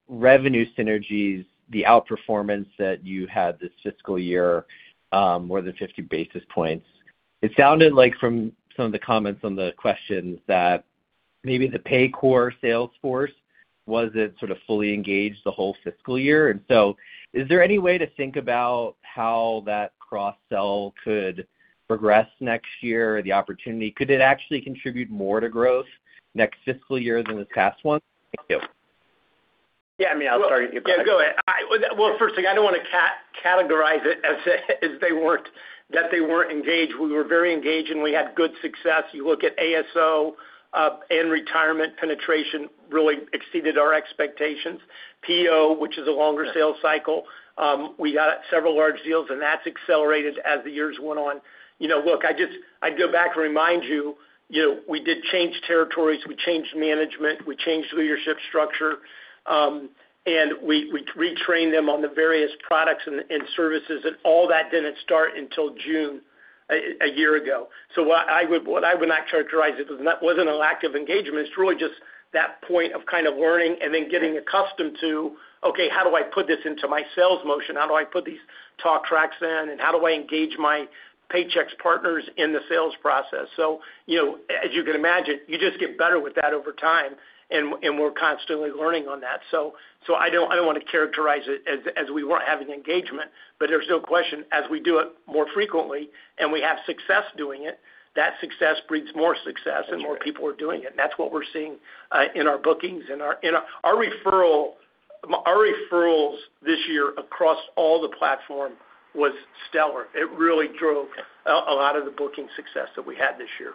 revenue synergies, the outperformance that you had this fiscal year, more than 50 basis points. It sounded like from some of the comments on the questions that maybe the Paycor sales force, was it sort of fully engaged the whole fiscal year? Is there any way to think about how that cross-sell could progress next year or the opportunity? Could it actually contribute more to growth next fiscal year than this past one? Thank you. Yeah, go ahead. Well, first thing, I don't want to categorize it as that they weren't engaged. We were very engaged, and we had good success. You look at ASO and retirement penetration really exceeded our expectations. PEO, which is a longer sales cycle, we got several large deals, and that's accelerated as the years went on. Look, I'd go back and remind you, we did change territories, we changed management, we changed leadership structure, and we retrained them on the various products and services, and all that didn't start until June, a year ago. What I would not characterize it, wasn't a lack of engagement. It's really just that point of kind of learning and then getting accustomed to, okay, how do I put this into my sales motion? How do I put these talk tracks in, and how do I engage my Paychex partners in the sales process? As you can imagine, you just get better with that over time, and we're constantly learning on that. I don't want to characterize it as we weren't having engagement, there's no question, as we do it more frequently and we have success doing it, that success breeds more success and more people are doing it. That's what we're seeing in our bookings. Our referrals this year across all the platform was stellar. It really drove a lot of the booking success that we had this year.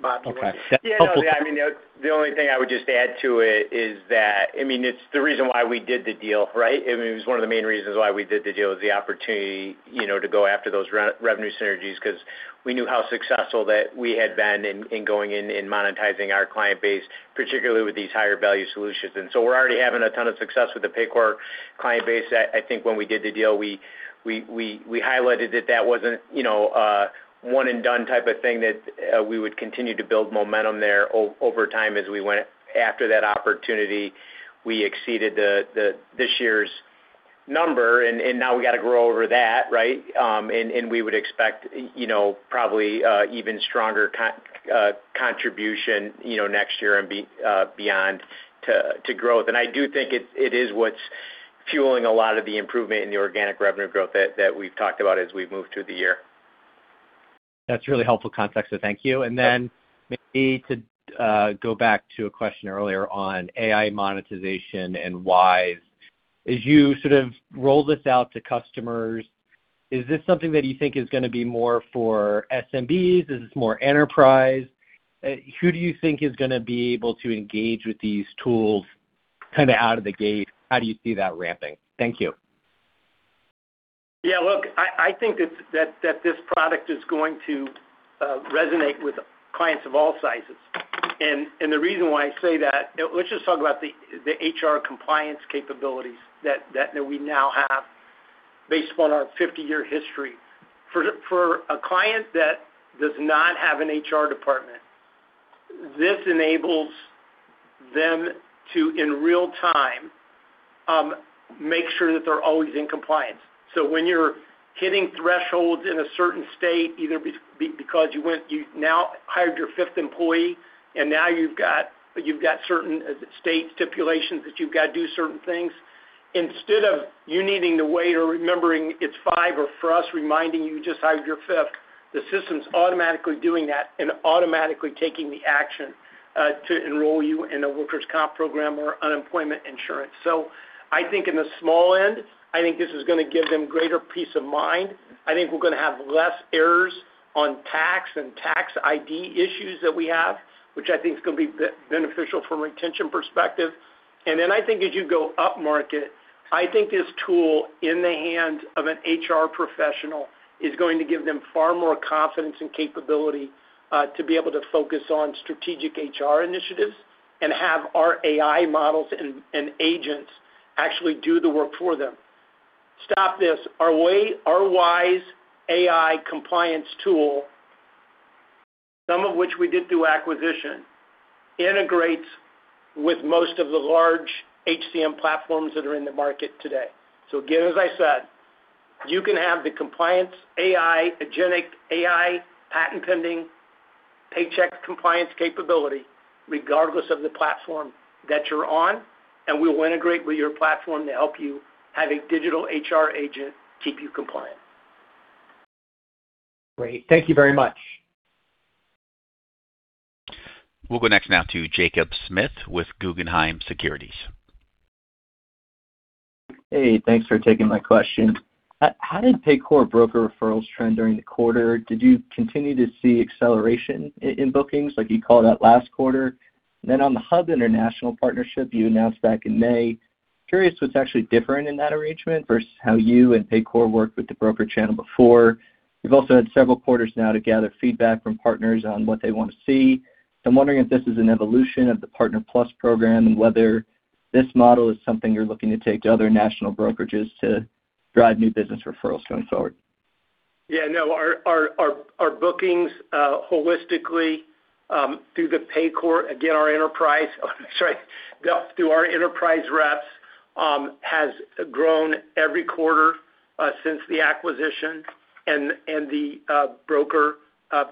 Bob, you want to? Okay. Helpful. Yeah. The only thing I would just add to it is that, it's the reason why we did the deal, right? It was one of the main reasons why we did the deal, was the opportunity to go after those revenue synergies, because we knew how successful that we had been in going in and monetizing our client base, particularly with these higher value solutions. We're already having a ton of success with the Paycor client base. I think when we did the deal, we highlighted that that wasn't a one and done type of thing, that we would continue to build momentum there over time as we went after that opportunity. We exceeded this year's number, now we got to grow over that, right? We would expect probably even stronger contribution next year and beyond to growth. I do think it is what's fueling a lot of the improvement in the organic revenue growth that we've talked about as we've moved through the year. That's really helpful context. Thank you. Maybe to go back to a question earlier on AI monetization. As you roll this out to customers, is this something that you think is going to be more for SMBs? Is this more enterprise? Who do you think is going to be able to engage with these tools out of the gate? How do you see that ramping? Thank you. Look, I think that this product is going to resonate with clients of all sizes. The reason why I say that, let's just talk about the HR compliance capabilities that we now have based upon our 50-year history. For a client that does not have an HR department, this enables them to, in real time, make sure that they're always in compliance. When you're hitting thresholds in a certain state, either because you've now hired your fifth employee and now you've got certain state stipulations that you've got to do certain things, instead of you needing to wait or remembering it's five or for us reminding you, you just hired your fifth, the system's automatically doing that and automatically taking the action to enroll you in a workers' comp program or unemployment insurance. I think in the small end, I think this is going to give them greater peace of mind. I think we're going to have less errors on tax and tax ID issues that we have, which I think is going to be beneficial from a retention perspective. I think as you go up-market, I think this tool in the hands of an HR professional is going to give them far more confidence and capability to be able to focus on strategic HR initiatives and have our AI models and agents actually do the work for them. Stop this, our WISE AI compliance tool, some of which we did through acquisition, integrates with most of the large HCM platforms that are in the market today. Again, as I said, you can have the compliance AI, agentic AI, patent pending, Paychex compliance capability, regardless of the platform that you're on, and we will integrate with your platform to help you have a digital HR agent keep you compliant. Great. Thank you very much. We'll go next now to Jacob Smith with Guggenheim Securities. Hey, thanks for taking my question. How did Paycor broker referrals trend during the quarter? Did you continue to see acceleration in bookings like you called out last quarter? On the HUB International partnership you announced back in May, curious what's actually different in that arrangement versus how you and Paycor worked with the broker channel before. You've also had several quarters now to gather feedback from partners on what they want to see. I'm wondering if this is an evolution of the Partner+ program and whether this model is something you're looking to take to other national brokerages to drive new business referrals going forward? Yeah, no, our bookings holistically through the Paycor, through our enterprise reps, has grown every quarter since the acquisition. The broker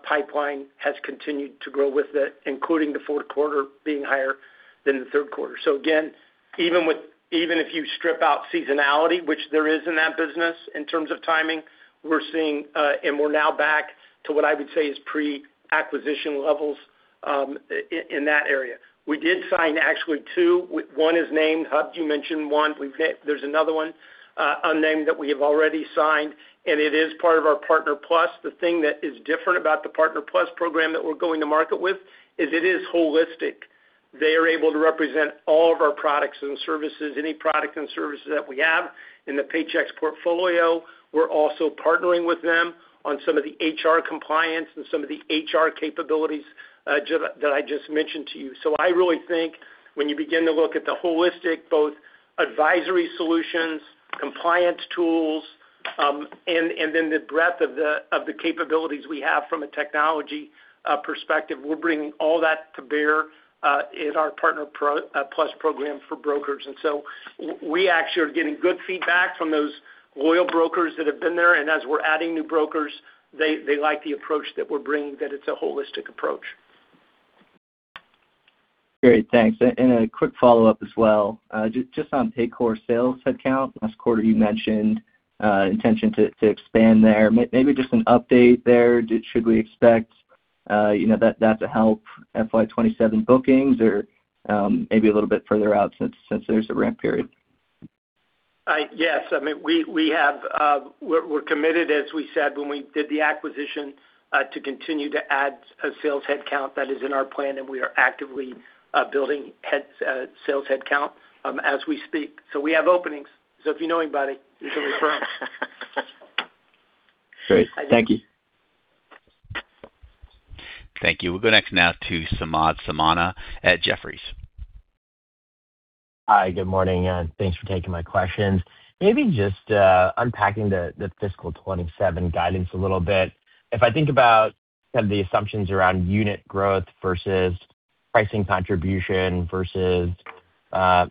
pipeline has continued to grow with it, including the fourth quarter being higher than the third quarter. Again, even if you strip out seasonality, which there is in that business in terms of timing, we're seeing, and we're now back to what I would say is pre-acquisition levels in that area. We did sign actually two. One is named Hub. You mentioned one. There's another one, unnamed, that we have already signed, and it is part of our Partner+. The thing that is different about the Partner+ program that we're going to market with is it is holistic. They are able to represent all of our products and services, any product and services that we have in the Paychex portfolio. We're also partnering with them on some of the HR compliance and some of the HR capabilities that I just mentioned to you. I really think when you begin to look at the holistic, both advisory solutions, compliance tools, and then the breadth of the capabilities we have from a technology perspective, we're bringing all that to bear in our Partner+ program for brokers. We actually are getting good feedback from those loyal brokers that have been there. As we're adding new brokers, they like the approach that we're bringing, that it's a holistic approach. Great. Thanks. A quick follow-up as well, just on Paycor sales headcount. Last quarter, you mentioned, intention to expand there. Maybe just an update there. Should we expect that to help FY 2027 bookings or maybe a little bit further out since there's a ramp period? Yes. We're committed, as we said when we did the acquisition, to continue to add a sales headcount that is in our plan. We are actively building sales headcount as we speak. We have openings. If you know anybody, you can refer them. Great. Thank you. Thank you. We'll go next now to Samad Samana at Jefferies. Hi, good morning, and thanks for taking my questions. Maybe just unpacking the fiscal 2027 guidance a little bit. If I think about some of the assumptions around unit growth versus pricing contribution versus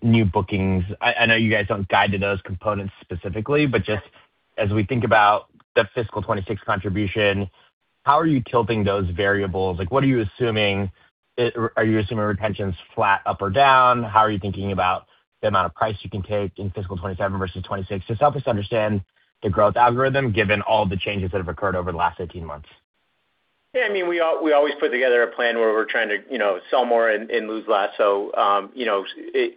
new bookings, I know you guys don't guide to those components specifically, but just as we think about the fiscal 2026 contribution, how are you tilting those variables? What are you assuming? Are you assuming retention's flat, up, or down? How are you thinking about the amount of price you can take in fiscal 2027 versus 2026? Just help us understand the growth algorithm, given all the changes that have occurred over the last 18 months. Yeah, we always put together a plan where we're trying to sell more and lose less.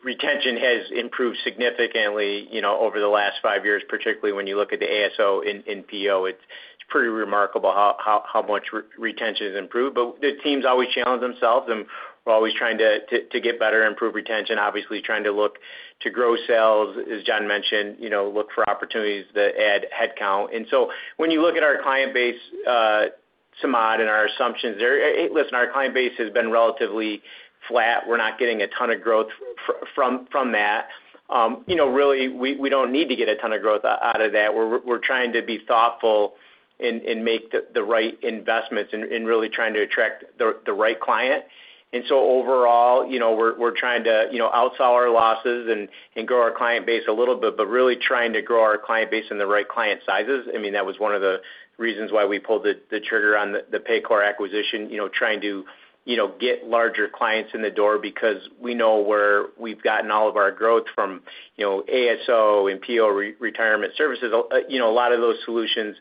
Retention has improved significantly over the last five years, particularly when you look at the ASO in PEO. It's pretty remarkable how much retention has improved. The teams always challenge themselves, and we're always trying to get better, improve retention. Obviously, trying to look to grow sales, as John mentioned, look for opportunities to add headcount. When you look at our client base, Samad, and our assumptions there, listen, our client base has been relatively flat. We're not getting a ton of growth from that. Really, we don't need to get a ton of growth out of that. We're trying to be thoughtful and make the right investments in really trying to attract the right client. Overall, we're trying to outsell our losses and grow our client base a little bit, really trying to grow our client base in the right client sizes. That was one of the reasons why we pulled the trigger on the Paycor acquisition, trying to get larger clients in the door because we know where we've gotten all of our growth from ASO and PEO retirement services. A lot of those solutions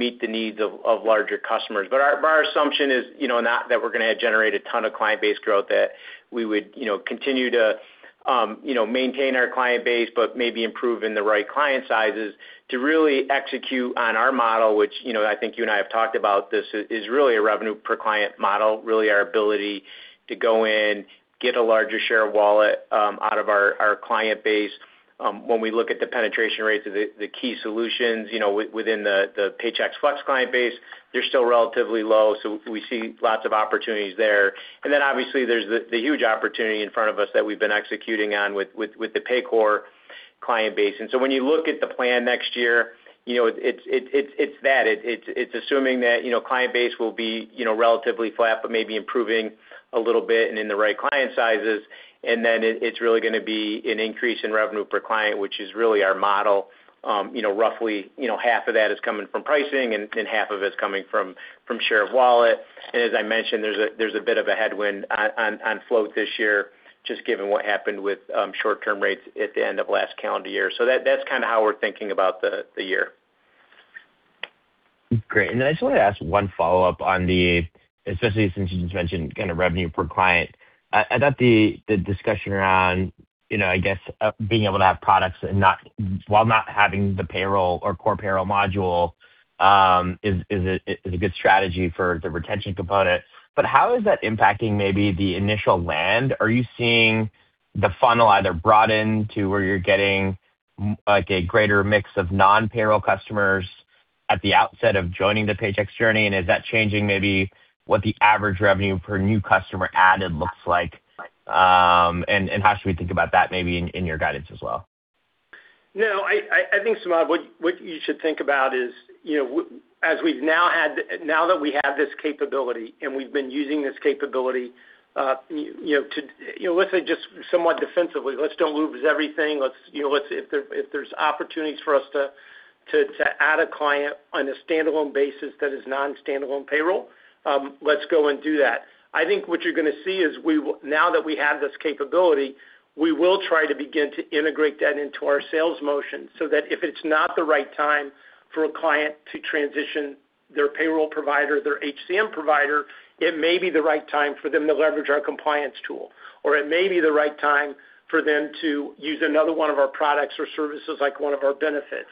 meet the needs of larger customers. Our assumption is not that we're going to generate a ton of client base growth, that we would continue to maintain our client base, but maybe improve in the right client sizes to really execute on our model, which I think you and I have talked about this, is really a revenue per client model, really our ability to go in, get a larger share of wallet out of our client base. When we look at the penetration rates of the key solutions within the Paychex Flex client base, they're still relatively low. We see lots of opportunities there. Obviously, there's the huge opportunity in front of us that we've been executing on with the Paycor client base. When you look at the plan next year, it's that. It's assuming that client base will be relatively flat, but maybe improving a little bit and in the right client sizes. Then it's really going to be an increase in revenue per client, which is really our model. Roughly half of that is coming from pricing and half of it's coming from share of wallet. As I mentioned, there's a bit of a headwind on float this year, just given what happened with short-term rates at the end of last calendar year. That's kind of how we're thinking about the year. Great. I just wanted to ask one follow-up on the, especially since you just mentioned kind of revenue per client. I thought the discussion around, I guess, being able to have products while not having the payroll or core payroll module, is a good strategy for the retention component. How is that impacting maybe the initial land? Are you seeing the funnel either broaden to where you're getting a greater mix of non-payroll customers at the outset of joining the Paychex journey? Is that changing maybe what the average revenue per new customer added looks like? How should we think about that maybe in your guidance as well? No, I think, Samad, what you should think about is, now that we have this capability and we've been using this capability, let's say just somewhat defensively, let's don't lose everything. If there's opportunities for us to add a client on a standalone basis that is non-standalone payroll, let's go and do that. I think what you're going to see is now that we have this capability, we will try to begin to integrate that into our sales motion, so that if it's not the right time for a client to transition their payroll provider, their HCM provider, it may be the right time for them to leverage our compliance tool, or it may be the right time for them to use another one of our products or services, like one of our benefits,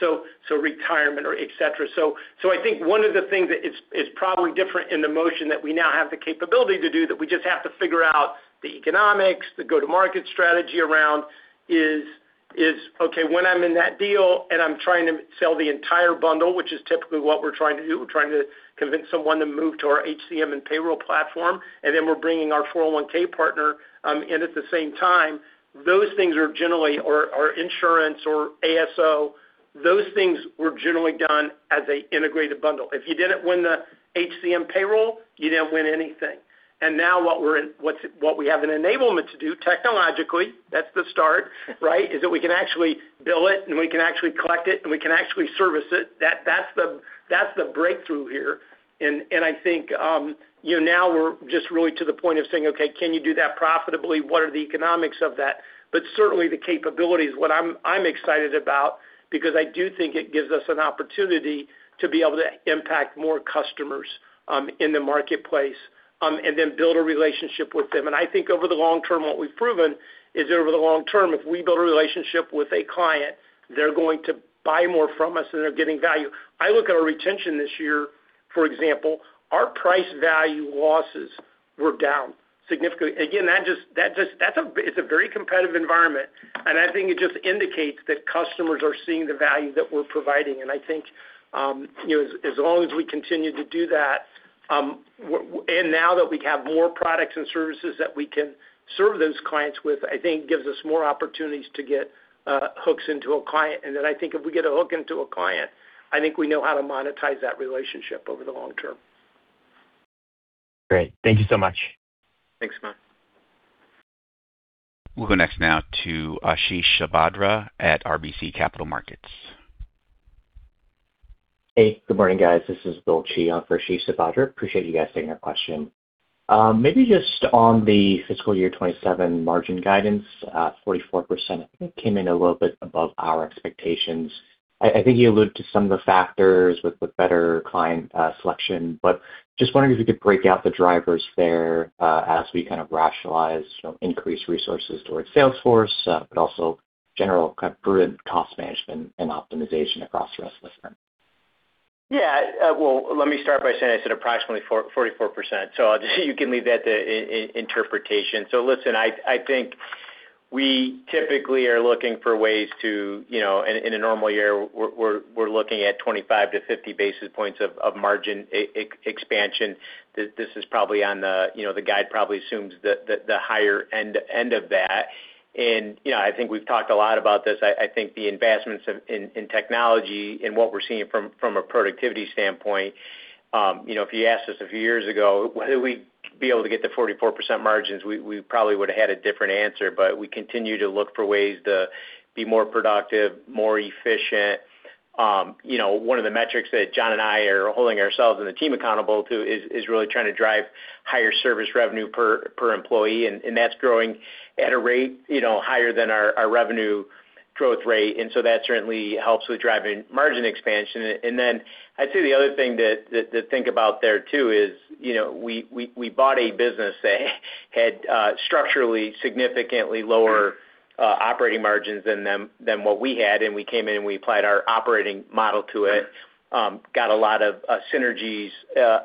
so retirement or et cetera. I think one of the things that is probably different in the motion that we now have the capability to do that we just have to figure out the economics, the go-to-market strategy around is, okay, when I'm in that deal and I'm trying to sell the entire bundle, which is typically what we're trying to do, we're trying to convince someone to move to our HCM and payroll platform, we're bringing our 401(k) partner in at the same time. Those things are generally, or our insurance or ASO, those things were generally done as an integrated bundle. If you didn't win the HCM payroll, you didn't win anything. Now what we have an enablement to do technologically, that's the start, right? Is that we can actually bill it, and we can actually collect it, and we can actually service it. That's the breakthrough here. I think, now we're just really to the point of saying, okay, can you do that profitably? What are the economics of that? Certainly the capability is what I'm excited about because I do think it gives us an opportunity to be able to impact more customers in the marketplace, then build a relationship with them. I think over the long term, what we've proven is over the long term, if we build a relationship with a client, they're going to buy more from us and they're getting value. I look at our retention this year, for example, our price value losses were down significantly. Again, it's a very competitive environment, and I think it just indicates that customers are seeing the value that we're providing. I think, as long as we continue to do that, and now that we have more products and services that we can serve those clients with, I think gives us more opportunities to get hooks into a client. Then I think if we get a hook into a client, I think we know how to monetize that relationship over the long term. Great. Thank you so much. Thanks, Samad. We'll go next now to Ashish Sabadra at RBC Capital Markets. Hey, good morning, guys. This is Bill Qi for Ashish Sabadra. Appreciate you guys taking our question. Just on the Fiscal Year 2027 margin guidance, 44%, I think, came in a little bit above our expectations. I think you alluded to some of the factors with the better client selection, but just wondering if you could break out the drivers there as we rationalize increased resources towards sales force, but also general prudent cost management and optimization across the rest of the firm. Yeah. Well, let me start by saying I said approximately 44%. You can leave that to interpretation. Listen, I think we typically are looking for ways to, in a normal year, we're looking at 25-50 basis points of margin expansion. The guide probably assumes the higher end of that. I think we've talked a lot about this. I think the investments in technology and what we're seeing from a productivity standpoint, if you asked us a few years ago, would we be able to get to 44% margins, we probably would've had a different answer. We continue to look for ways to be more productive, more efficient. One of the metrics that John and I are holding ourselves and the team accountable to is really trying to drive higher service revenue per employee, that's growing at a rate higher than our revenue growth rate. That certainly helps with driving margin expansion. Then I'd say the other thing to think about there, too, is we bought a business that had structurally significantly lower operating margins than what we had, we came in and we applied our operating model to it. Got a lot of synergies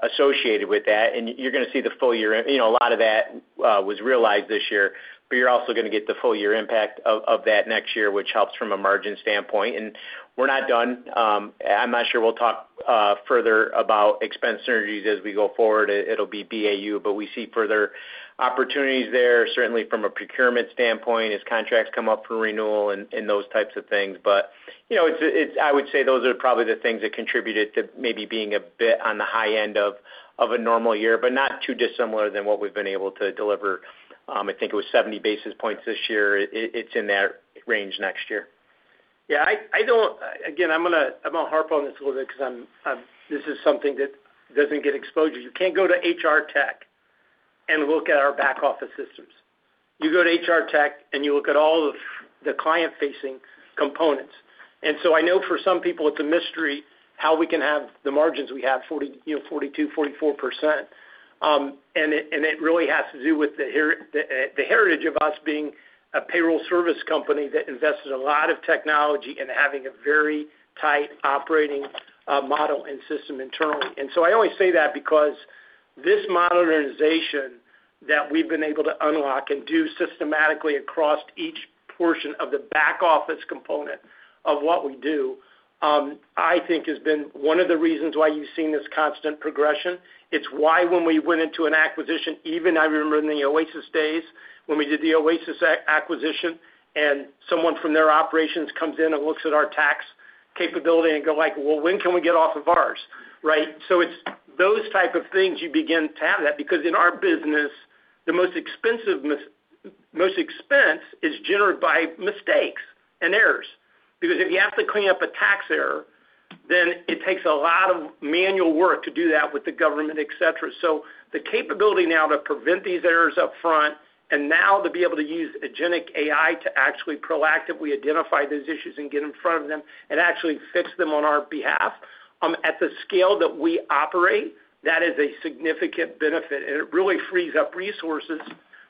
associated with that. You're going to see the full year. A lot of that was realized this year. You're also going to get the full year impact of that next year, which helps from a margin standpoint. We're not done. I'm not sure we'll talk further about expense synergies as we go forward, it'll be BAU. We see further opportunities there, certainly from a procurement standpoint, as contracts come up for renewal and those types of things. I would say those are probably the things that contributed to maybe being a bit on the high end of a normal year, not too dissimilar than what we've been able to deliver. I think it was 70 basis points this year. It's in that range next year. I'm going to harp on this a little bit because this is something that doesn't get exposure. You can't go to HR Tech and look at our back office systems. You go to HR Tech, and you look at all of the client-facing components. I know for some people it's a mystery how we can have the margins we have, 42%-44%. It really has to do with the heritage of us being a payroll service company that invested a lot of technology and having a very tight operating model and system internally. I only say that because this modernization that we've been able to unlock and do systematically across each portion of the back office component of what we do, I think has been one of the reasons why you've seen this constant progression. It's why when we went into an acquisition, even I remember in the Oasis days, when we did the Oasis acquisition. Someone from their operations comes in and looks at our tax capability and go like, well, when can we get off of ours? Right? It's those type of things you begin to have that, because in our business, the most expense is generated by mistakes and errors. If you have to clean up a tax error, it takes a lot of manual work to do that with the government, et cetera. The capability now to prevent these errors up front and now to be able to use generative AI to actually proactively identify those issues and get in front of them and actually fix them on our behalf, at the scale that we operate, that is a significant benefit. It really frees up resources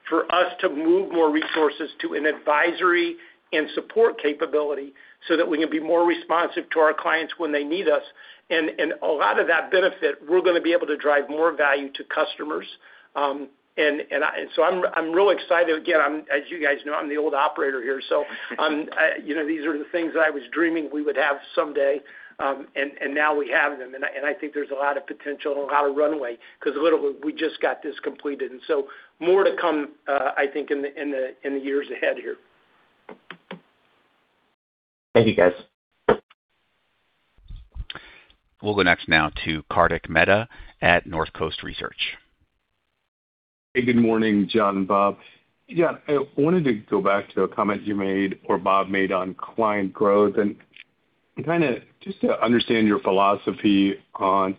for us to move more resources to an advisory and support capability so that we can be more responsive to our clients when they need us. A lot of that benefit, we're going to be able to drive more value to customers. I'm really excited. As you guys know, I'm the old operator here. These are the things that I was dreaming we would have someday, and now we have them. I think there's a lot of potential and a lot of runway, because literally, we just got this completed. So more to come, I think, in the years ahead here. Thank you, guys. We'll go next now to Kartik Mehta at Northcoast Research. Hey, good morning, John and Bob. I wanted to go back to a comment you made, or Bob made on client growth, and just to understand your philosophy on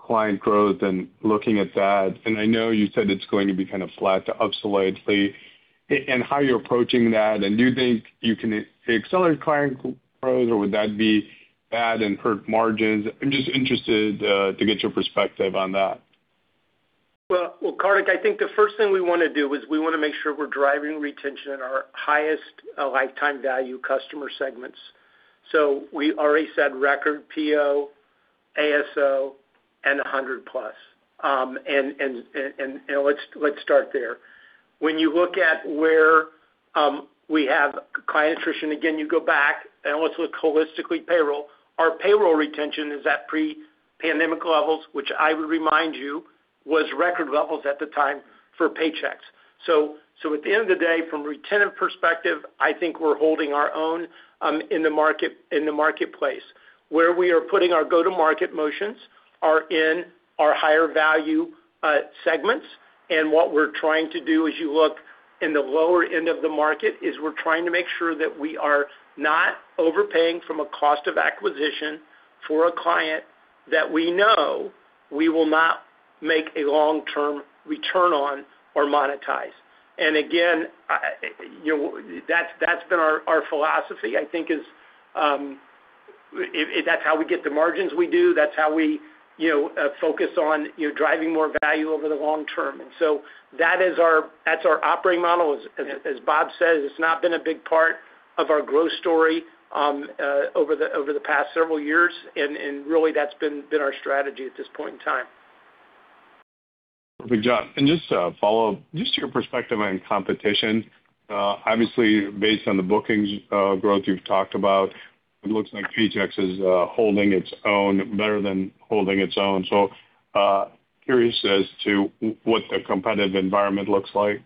client growth and looking at that, and I know you said it's going to be kind of flat to up slightly, and how you're approaching that. Do you think you can accelerate client growth, or would that be bad and hurt margins? I'm just interested to get your perspective on that. Well, Kartik, I think the first thing we want to do is we want to make sure we're driving retention in our highest lifetime value customer segments. We already said record PEO, ASO, and 100+, and let's start there. When you look at where we have client attrition, again, you go back and let's look holistically payroll. Our payroll retention is at pre-pandemic levels, which I would remind you, was record levels at the time for Paychex. At the end of the day, from a retention perspective, I think we're holding our own in the marketplace. Where we are putting our go-to-market motions are in our higher value segments. What we're trying to do as you look in the lower end of the market is we're trying to make sure that we are not overpaying from a cost of acquisition for a client that we know we will not make a long-term return on or monetize. Again, that's been our philosophy, I think. That's how we get the margins we do. That's how we focus on driving more value over the long term. That's our operating model. As Bob says, it's not been a big part of our growth story over the past several years, and really that's been our strategy at this point in time. Perfect, John. Just a follow-up, just your perspective on competition. Obviously, based on the bookings growth you've talked about, it looks like Paychex is holding its own, better than holding its own. Curious as to what the competitive environment looks like.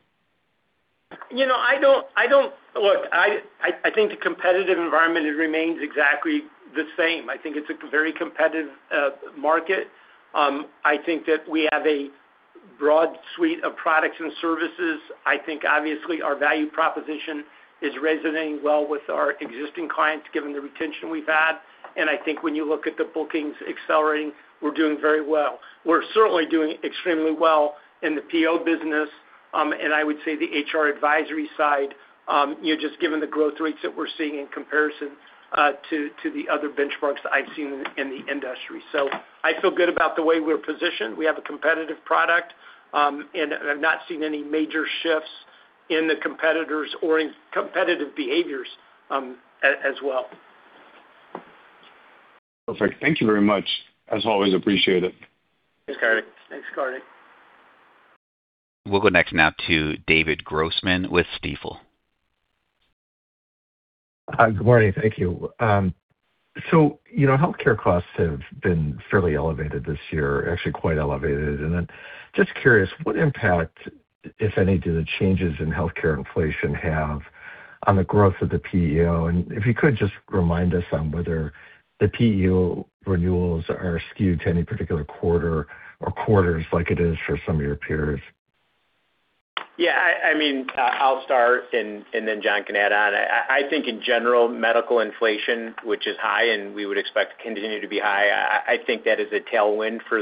Look, I think the competitive environment remains exactly the same. I think it's a very competitive market. I think that we have a broad suite of products and services. I think obviously our value proposition is resonating well with our existing clients, given the retention we've had. I think when you look at the bookings accelerating, we're doing very well. We're certainly doing extremely well in the PEO business, and I would say the HR advisory side, just given the growth rates that we're seeing in comparison to the other benchmarks that I've seen in the industry. I feel good about the way we're positioned. We have a competitive product, and I've not seen any major shifts in the competitors or in competitive behaviors as well. Perfect. Thank you very much. As always, appreciate it. Thanks, Kartik. We'll go next now to David Grossman with Stifel. Hi, good morning. Thank you. Healthcare costs have been fairly elevated this year, actually quite elevated. Just curious, what impact, if any, do the changes in healthcare inflation have on the growth of the PEO? If you could just remind us on whether the PEO renewals are skewed to any particular quarter or quarters like it is for some of your peers? Yeah, I'll start and then John can add on. I think in general, medical inflation, which is high and we would expect to continue to be high, I think that is a tailwind for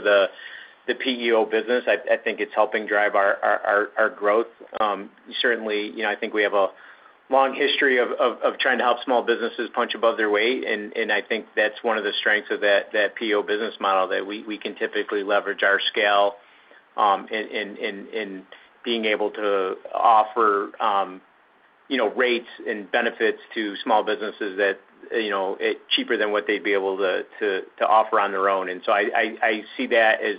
the PEO business. I think it's helping drive our growth. Certainly, I think we have a long history of trying to help small businesses punch above their weight, and I think that's one of the strengths of that PEO business model, that we can typically leverage our scale in being able to offer rates and benefits to small businesses that, cheaper than what they'd be able to offer on their own. I see that as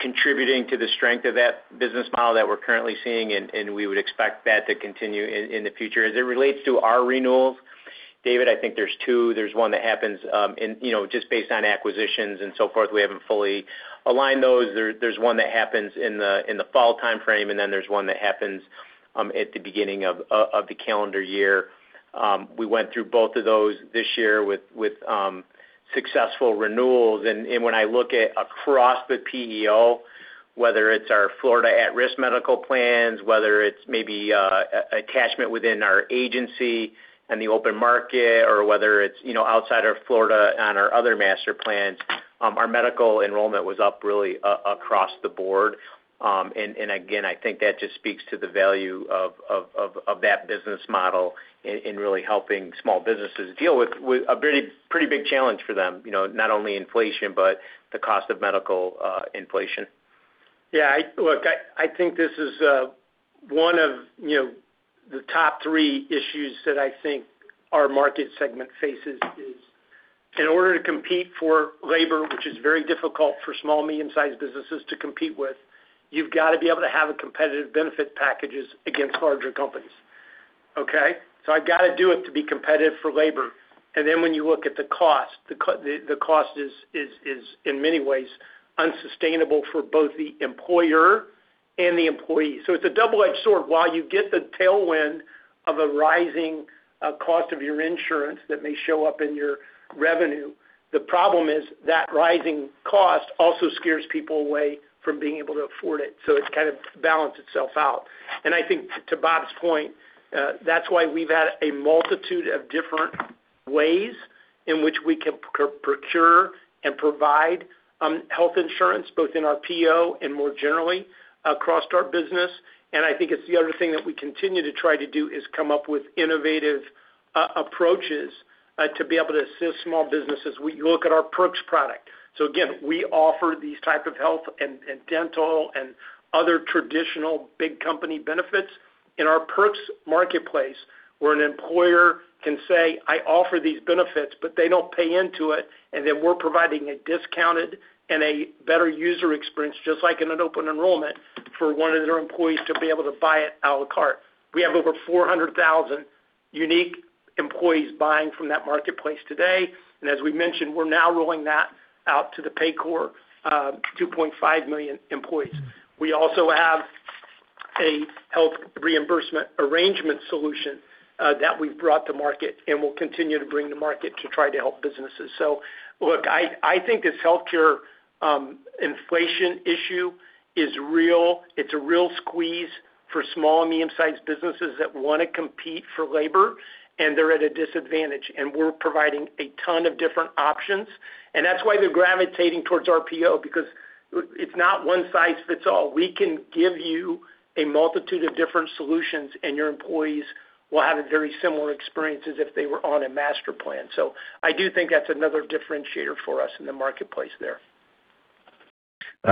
contributing to the strength of that business model that we're currently seeing, and we would expect that to continue in the future. As it relates to our renewals, David, I think there's two. There's one that happens just based on acquisitions and so forth. We haven't fully aligned those. There's one that happens in the fall timeframe, and then there's one that happens at the beginning of the calendar year. We went through both of those this year with successful renewals. When I look at across the PEO, whether it's our Florida at-risk medical plans, whether it's maybe attachment within our agency in the open market, or whether it's outside of Florida on our other master plans, our medical enrollment was up really across the board. Again, I think that just speaks to the value of that business model in really helping small businesses deal with a pretty big challenge for them. Not only inflation, but the cost of medical inflation. Yeah, look, I think this is one of the top three issues that I think our market segment faces is in order to compete for labor, which is very difficult for small, medium-sized businesses to compete with, you've got to be able to have a competitive benefit packages against larger companies. Okay? I've got to do it to be competitive for labor. When you look at the cost, the cost is in many ways unsustainable for both the employer and the employee. It's a double-edged sword. While you get the tailwind of a rising cost of your insurance that may show up in your revenue, the problem is that rising cost also scares people away from being able to afford it, so it kind of balance itself out. I think to Bob's point, that's why we've had a multitude of different ways in which we can procure and provide health insurance, both in our PEO and more generally across our business. I think it's the other thing that we continue to try to do is come up with innovative approaches to be able to assist small businesses. We look at our Perks product. Again, we offer these type of health and dental and other traditional big company benefits in our Perks marketplace, where an employer can say, I offer these benefits, but they don't pay into it, and then we're providing a discounted and a better user experience, just like in an open enrollment for one of their employees to be able to buy it à la carte. We have over 400,000 unique employees buying from that marketplace today. As we mentioned, we're now rolling that out to the Paycor 2.5 million employees. We also have a health reimbursement arrangement solution that we've brought to market and will continue to bring to market to try to help businesses. Look, I think this healthcare inflation issue is real. It's a real squeeze for small and medium-sized businesses that want to compete for labor, and they're at a disadvantage. We're providing a ton of different options, and that's why they're gravitating towards RPO, because it's not one size fits all. We can give you a multitude of different solutions, and your employees will have a very similar experience as if they were on a master plan. I do think that's another differentiator for us in the marketplace there.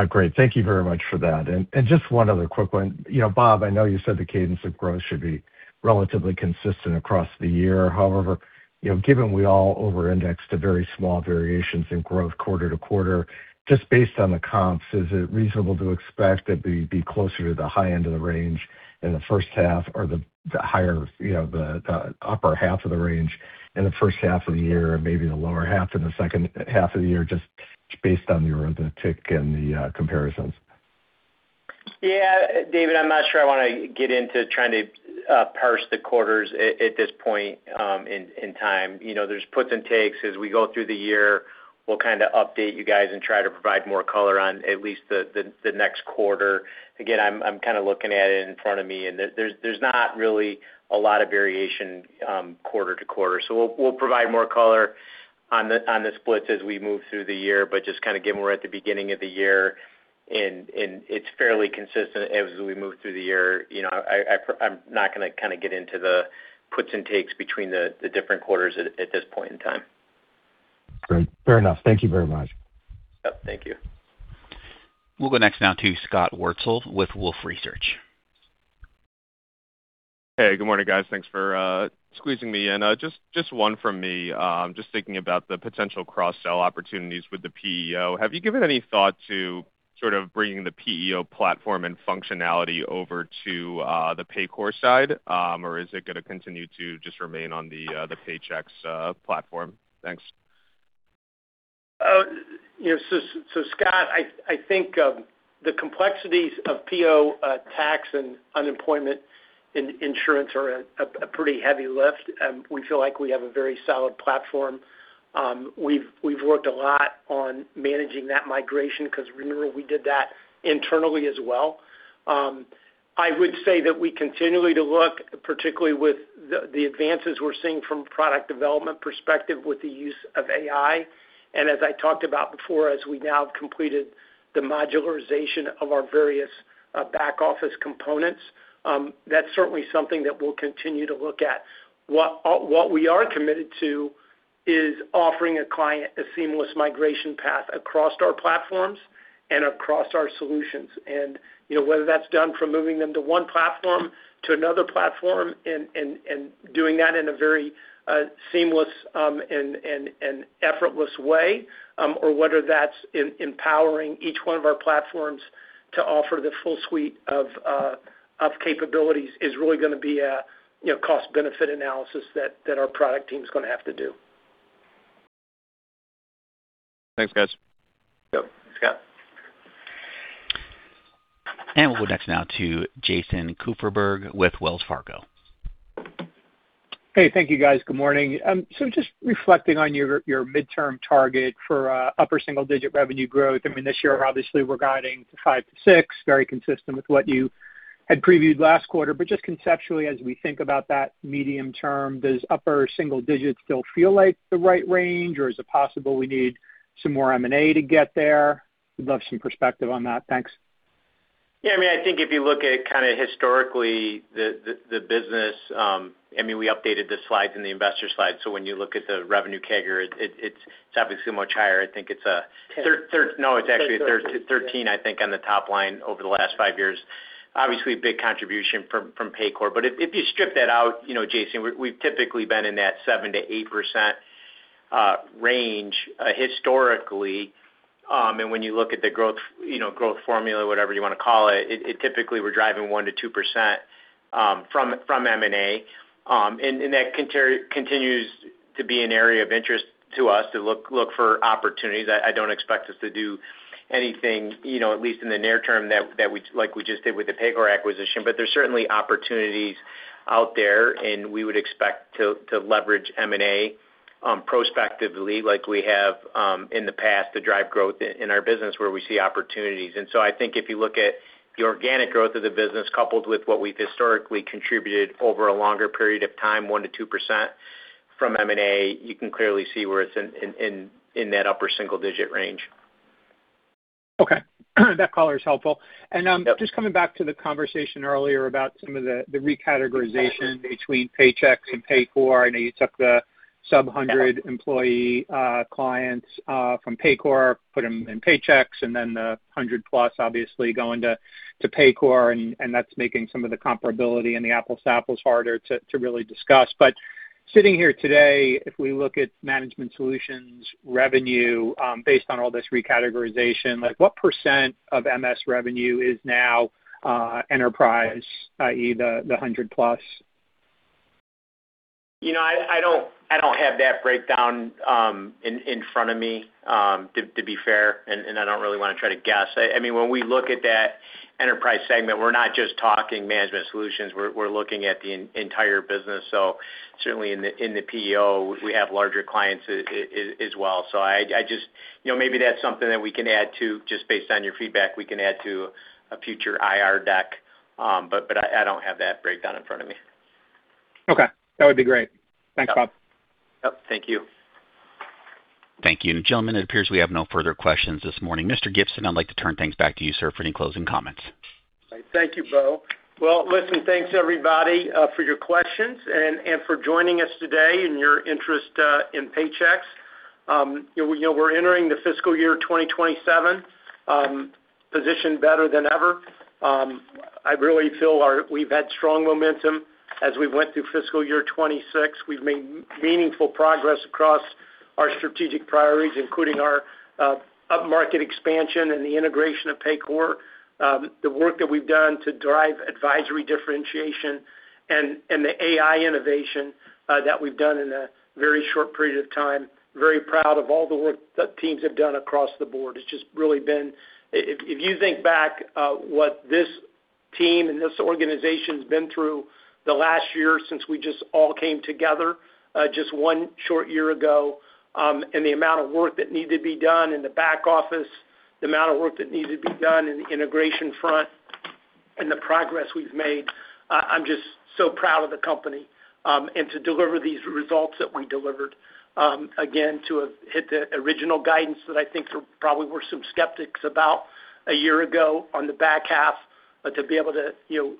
Great. Thank you very much for that. Just one other quick one. Bob, I know you said the cadence of growth should be relatively consistent across the year. However, given we all over-index to very small variations in growth quarter-to-quarter, just based on the comps, is it reasonable to expect that we'd be closer to the high end of the range in the first half or the upper half of the range in the first half of the year, and maybe the lower half in the second half of the year, just based on the tick in the comparisons? David, I'm not sure I want to get into trying to parse the quarters at this point in time. There's puts and takes. As we go through the year, we'll update you guys and try to provide more color on at least the next quarter. Again, I'm looking at it in front of me, and there's not really a lot of variation, quarter-to-quarter. We'll provide more color on the splits as we move through the year, but just again, we're at the beginning of the year, and it's fairly consistent as we move through the year. I'm not going to get into the puts and takes between the different quarters at this point in time. Great. Fair enough. Thank you very much. Yep. Thank you. We'll go next now to Scott Wurtzel with Wolfe Research. Hey, good morning, guys. Thanks for squeezing me in. Just one from me. Just thinking about the potential cross-sell opportunities with the PEO. Have you given it any thought to bring in the PEO platform and functionality over to the Paycor side? Or is it going to continue to just remain on the Paychex platform? Thanks. Scott, I think the complexities of PEO tax and unemployment insurance are a pretty heavy lift. We feel like we have a very solid platform. We've worked a lot on managing that migration because remember, we did that internally as well. I would say that we continue to look, particularly with the advances we're seeing from a product development perspective with the use of AI. As I talked about before, as we now have completed the modularization of our various back-office components, that's certainly something that we'll continue to look at. What we are committed to is offering a client a seamless migration path across our platforms and across our solutions. Whether that's done from moving them to one platform to another platform and doing that in a very seamless and effortless way, or whether that's empowering each one of our platforms to offer the full suite of capabilities, is really going to be a cost benefit analysis that our product team's going to have to do. Thanks, guys. Yep. Scott. We'll go next now to Jason Kupferberg with Wells Fargo. Hey, thank you, guys. Good morning. Just reflecting on your midterm target for upper single-digit revenue growth. I mean, this year, obviously, we're guiding to 5%-6%, very consistent with what you had previewed last quarter. Just conceptually, as we think about that medium term, does upper single digits still feel like the right range, or is it possible we need some more M&A to get there? We'd love some perspective on that. Thanks. Yeah, I think if you look at historically the business, we updated the slides in the investor slide. When you look at the revenue CAGR, it's obviously much higher. 10% No, it's actually 13%, I think, on the top line over the last five years. Obviously, a big contribution from Paycor. If you strip that out, Jason, we've typically been in that 7%-8% range historically. When you look at the growth formula, whatever you want to call it, typically, we're driving 1%-2% from M&A. That continues to be an area of interest to us to look for opportunities. I don't expect us to do anything, at least in the near term, like we just did with the Paycor acquisition. There's certainly opportunities out there, and we would expect to leverage M&A prospectively like we have in the past to drive growth in our business where we see opportunities. I think if you look at the organic growth of the business coupled with what we've historically contributed over a longer period of time, 1%-2% from M&A, you can clearly see where it's in that upper single digit range. Okay. That color is helpful. Yep. Just coming back to the conversation earlier about some of the recategorization between Paychex and Paycor. I know you took the sub-100 employee clients from Paycor, put them in Paychex, then the 100+ obviously going to Paycor, and that's making some of the comparability and the apples to apples harder to really discuss. Sitting here today, if we look at Management Solutions revenue based on all this recategorization, what percent of MS revenue is now enterprise, i.e., the 100+? I don't have that breakdown in front of me, to be fair, and I don't really want to try to guess. When we look at that enterprise segment, we're not just talking Management Solutions, we're looking at the entire business. Certainly in the PEO, we have larger clients as well. Maybe that's something that we can add, too, just based on your feedback, we can add to a future IR deck. I don't have that breakdown in front of me. Okay. That would be great. Thanks, Bob. Yep. Thank you. Thank you. Gentlemen, it appears we have no further questions this morning. Mr. Gibson, I'd like to turn things back to you, sir, for any closing comments. Thank you, Bo. Well, listen, thanks, everybody, for your questions and for joining us today and your interest in Paychex. We're entering the Fiscal Year 2027, positioned better than ever. I really feel we've had strong momentum as we went through Fiscal Year 2026. We've made meaningful progress across our strategic priorities, including our upmarket expansion and the integration of Paycor, the work that we've done to drive advisory differentiation, and the AI innovation that we've done in a very short period of time. Very proud of all the work that teams have done across the board. If you think back, what this team and this organization's been through the last year since we just all came together, just one short year ago, and the amount of work that needed to be done in the back office, the amount of work that needed to be done in the integration front, and the progress we've made, I'm just so proud of the company. To deliver these results that we delivered, again, to have hit the original guidance that I think there probably were some skeptics about a year ago on the back half, but to be able to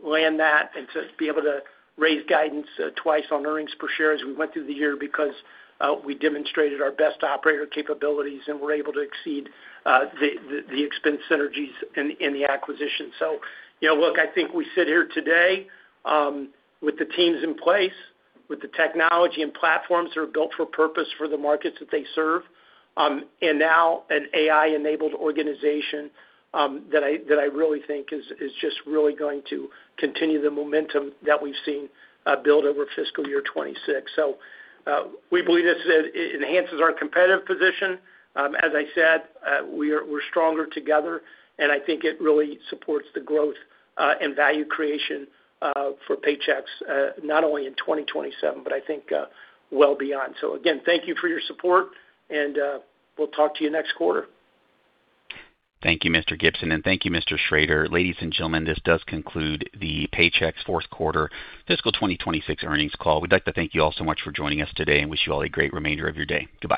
land that and to be able to raise guidance twice on earnings per share as we went through the year because we demonstrated our best operator capabilities and were able to exceed the expense synergies in the acquisition. Look, I think we sit here today with the teams in place, with the technology and platforms that are built for purpose for the markets that they serve, and now an AI-enabled organization that I really think is just really going to continue the momentum that we've seen build over Fiscal Year 2026. We believe this enhances our competitive position. As I said, we're stronger together, and I think it really supports the growth and value creation for Paychex, not only in 2027, but I think well beyond. Again, thank you for your support, and we'll talk to you next quarter. Thank you, Mr. Gibson, and thank you, Mr. Schrader. Ladies and gentlemen, this does conclude the Paychex fourth quarter fiscal 2026 earnings call. We'd like to thank you all so much for joining us today and wish you all a great remainder of your day. Goodbye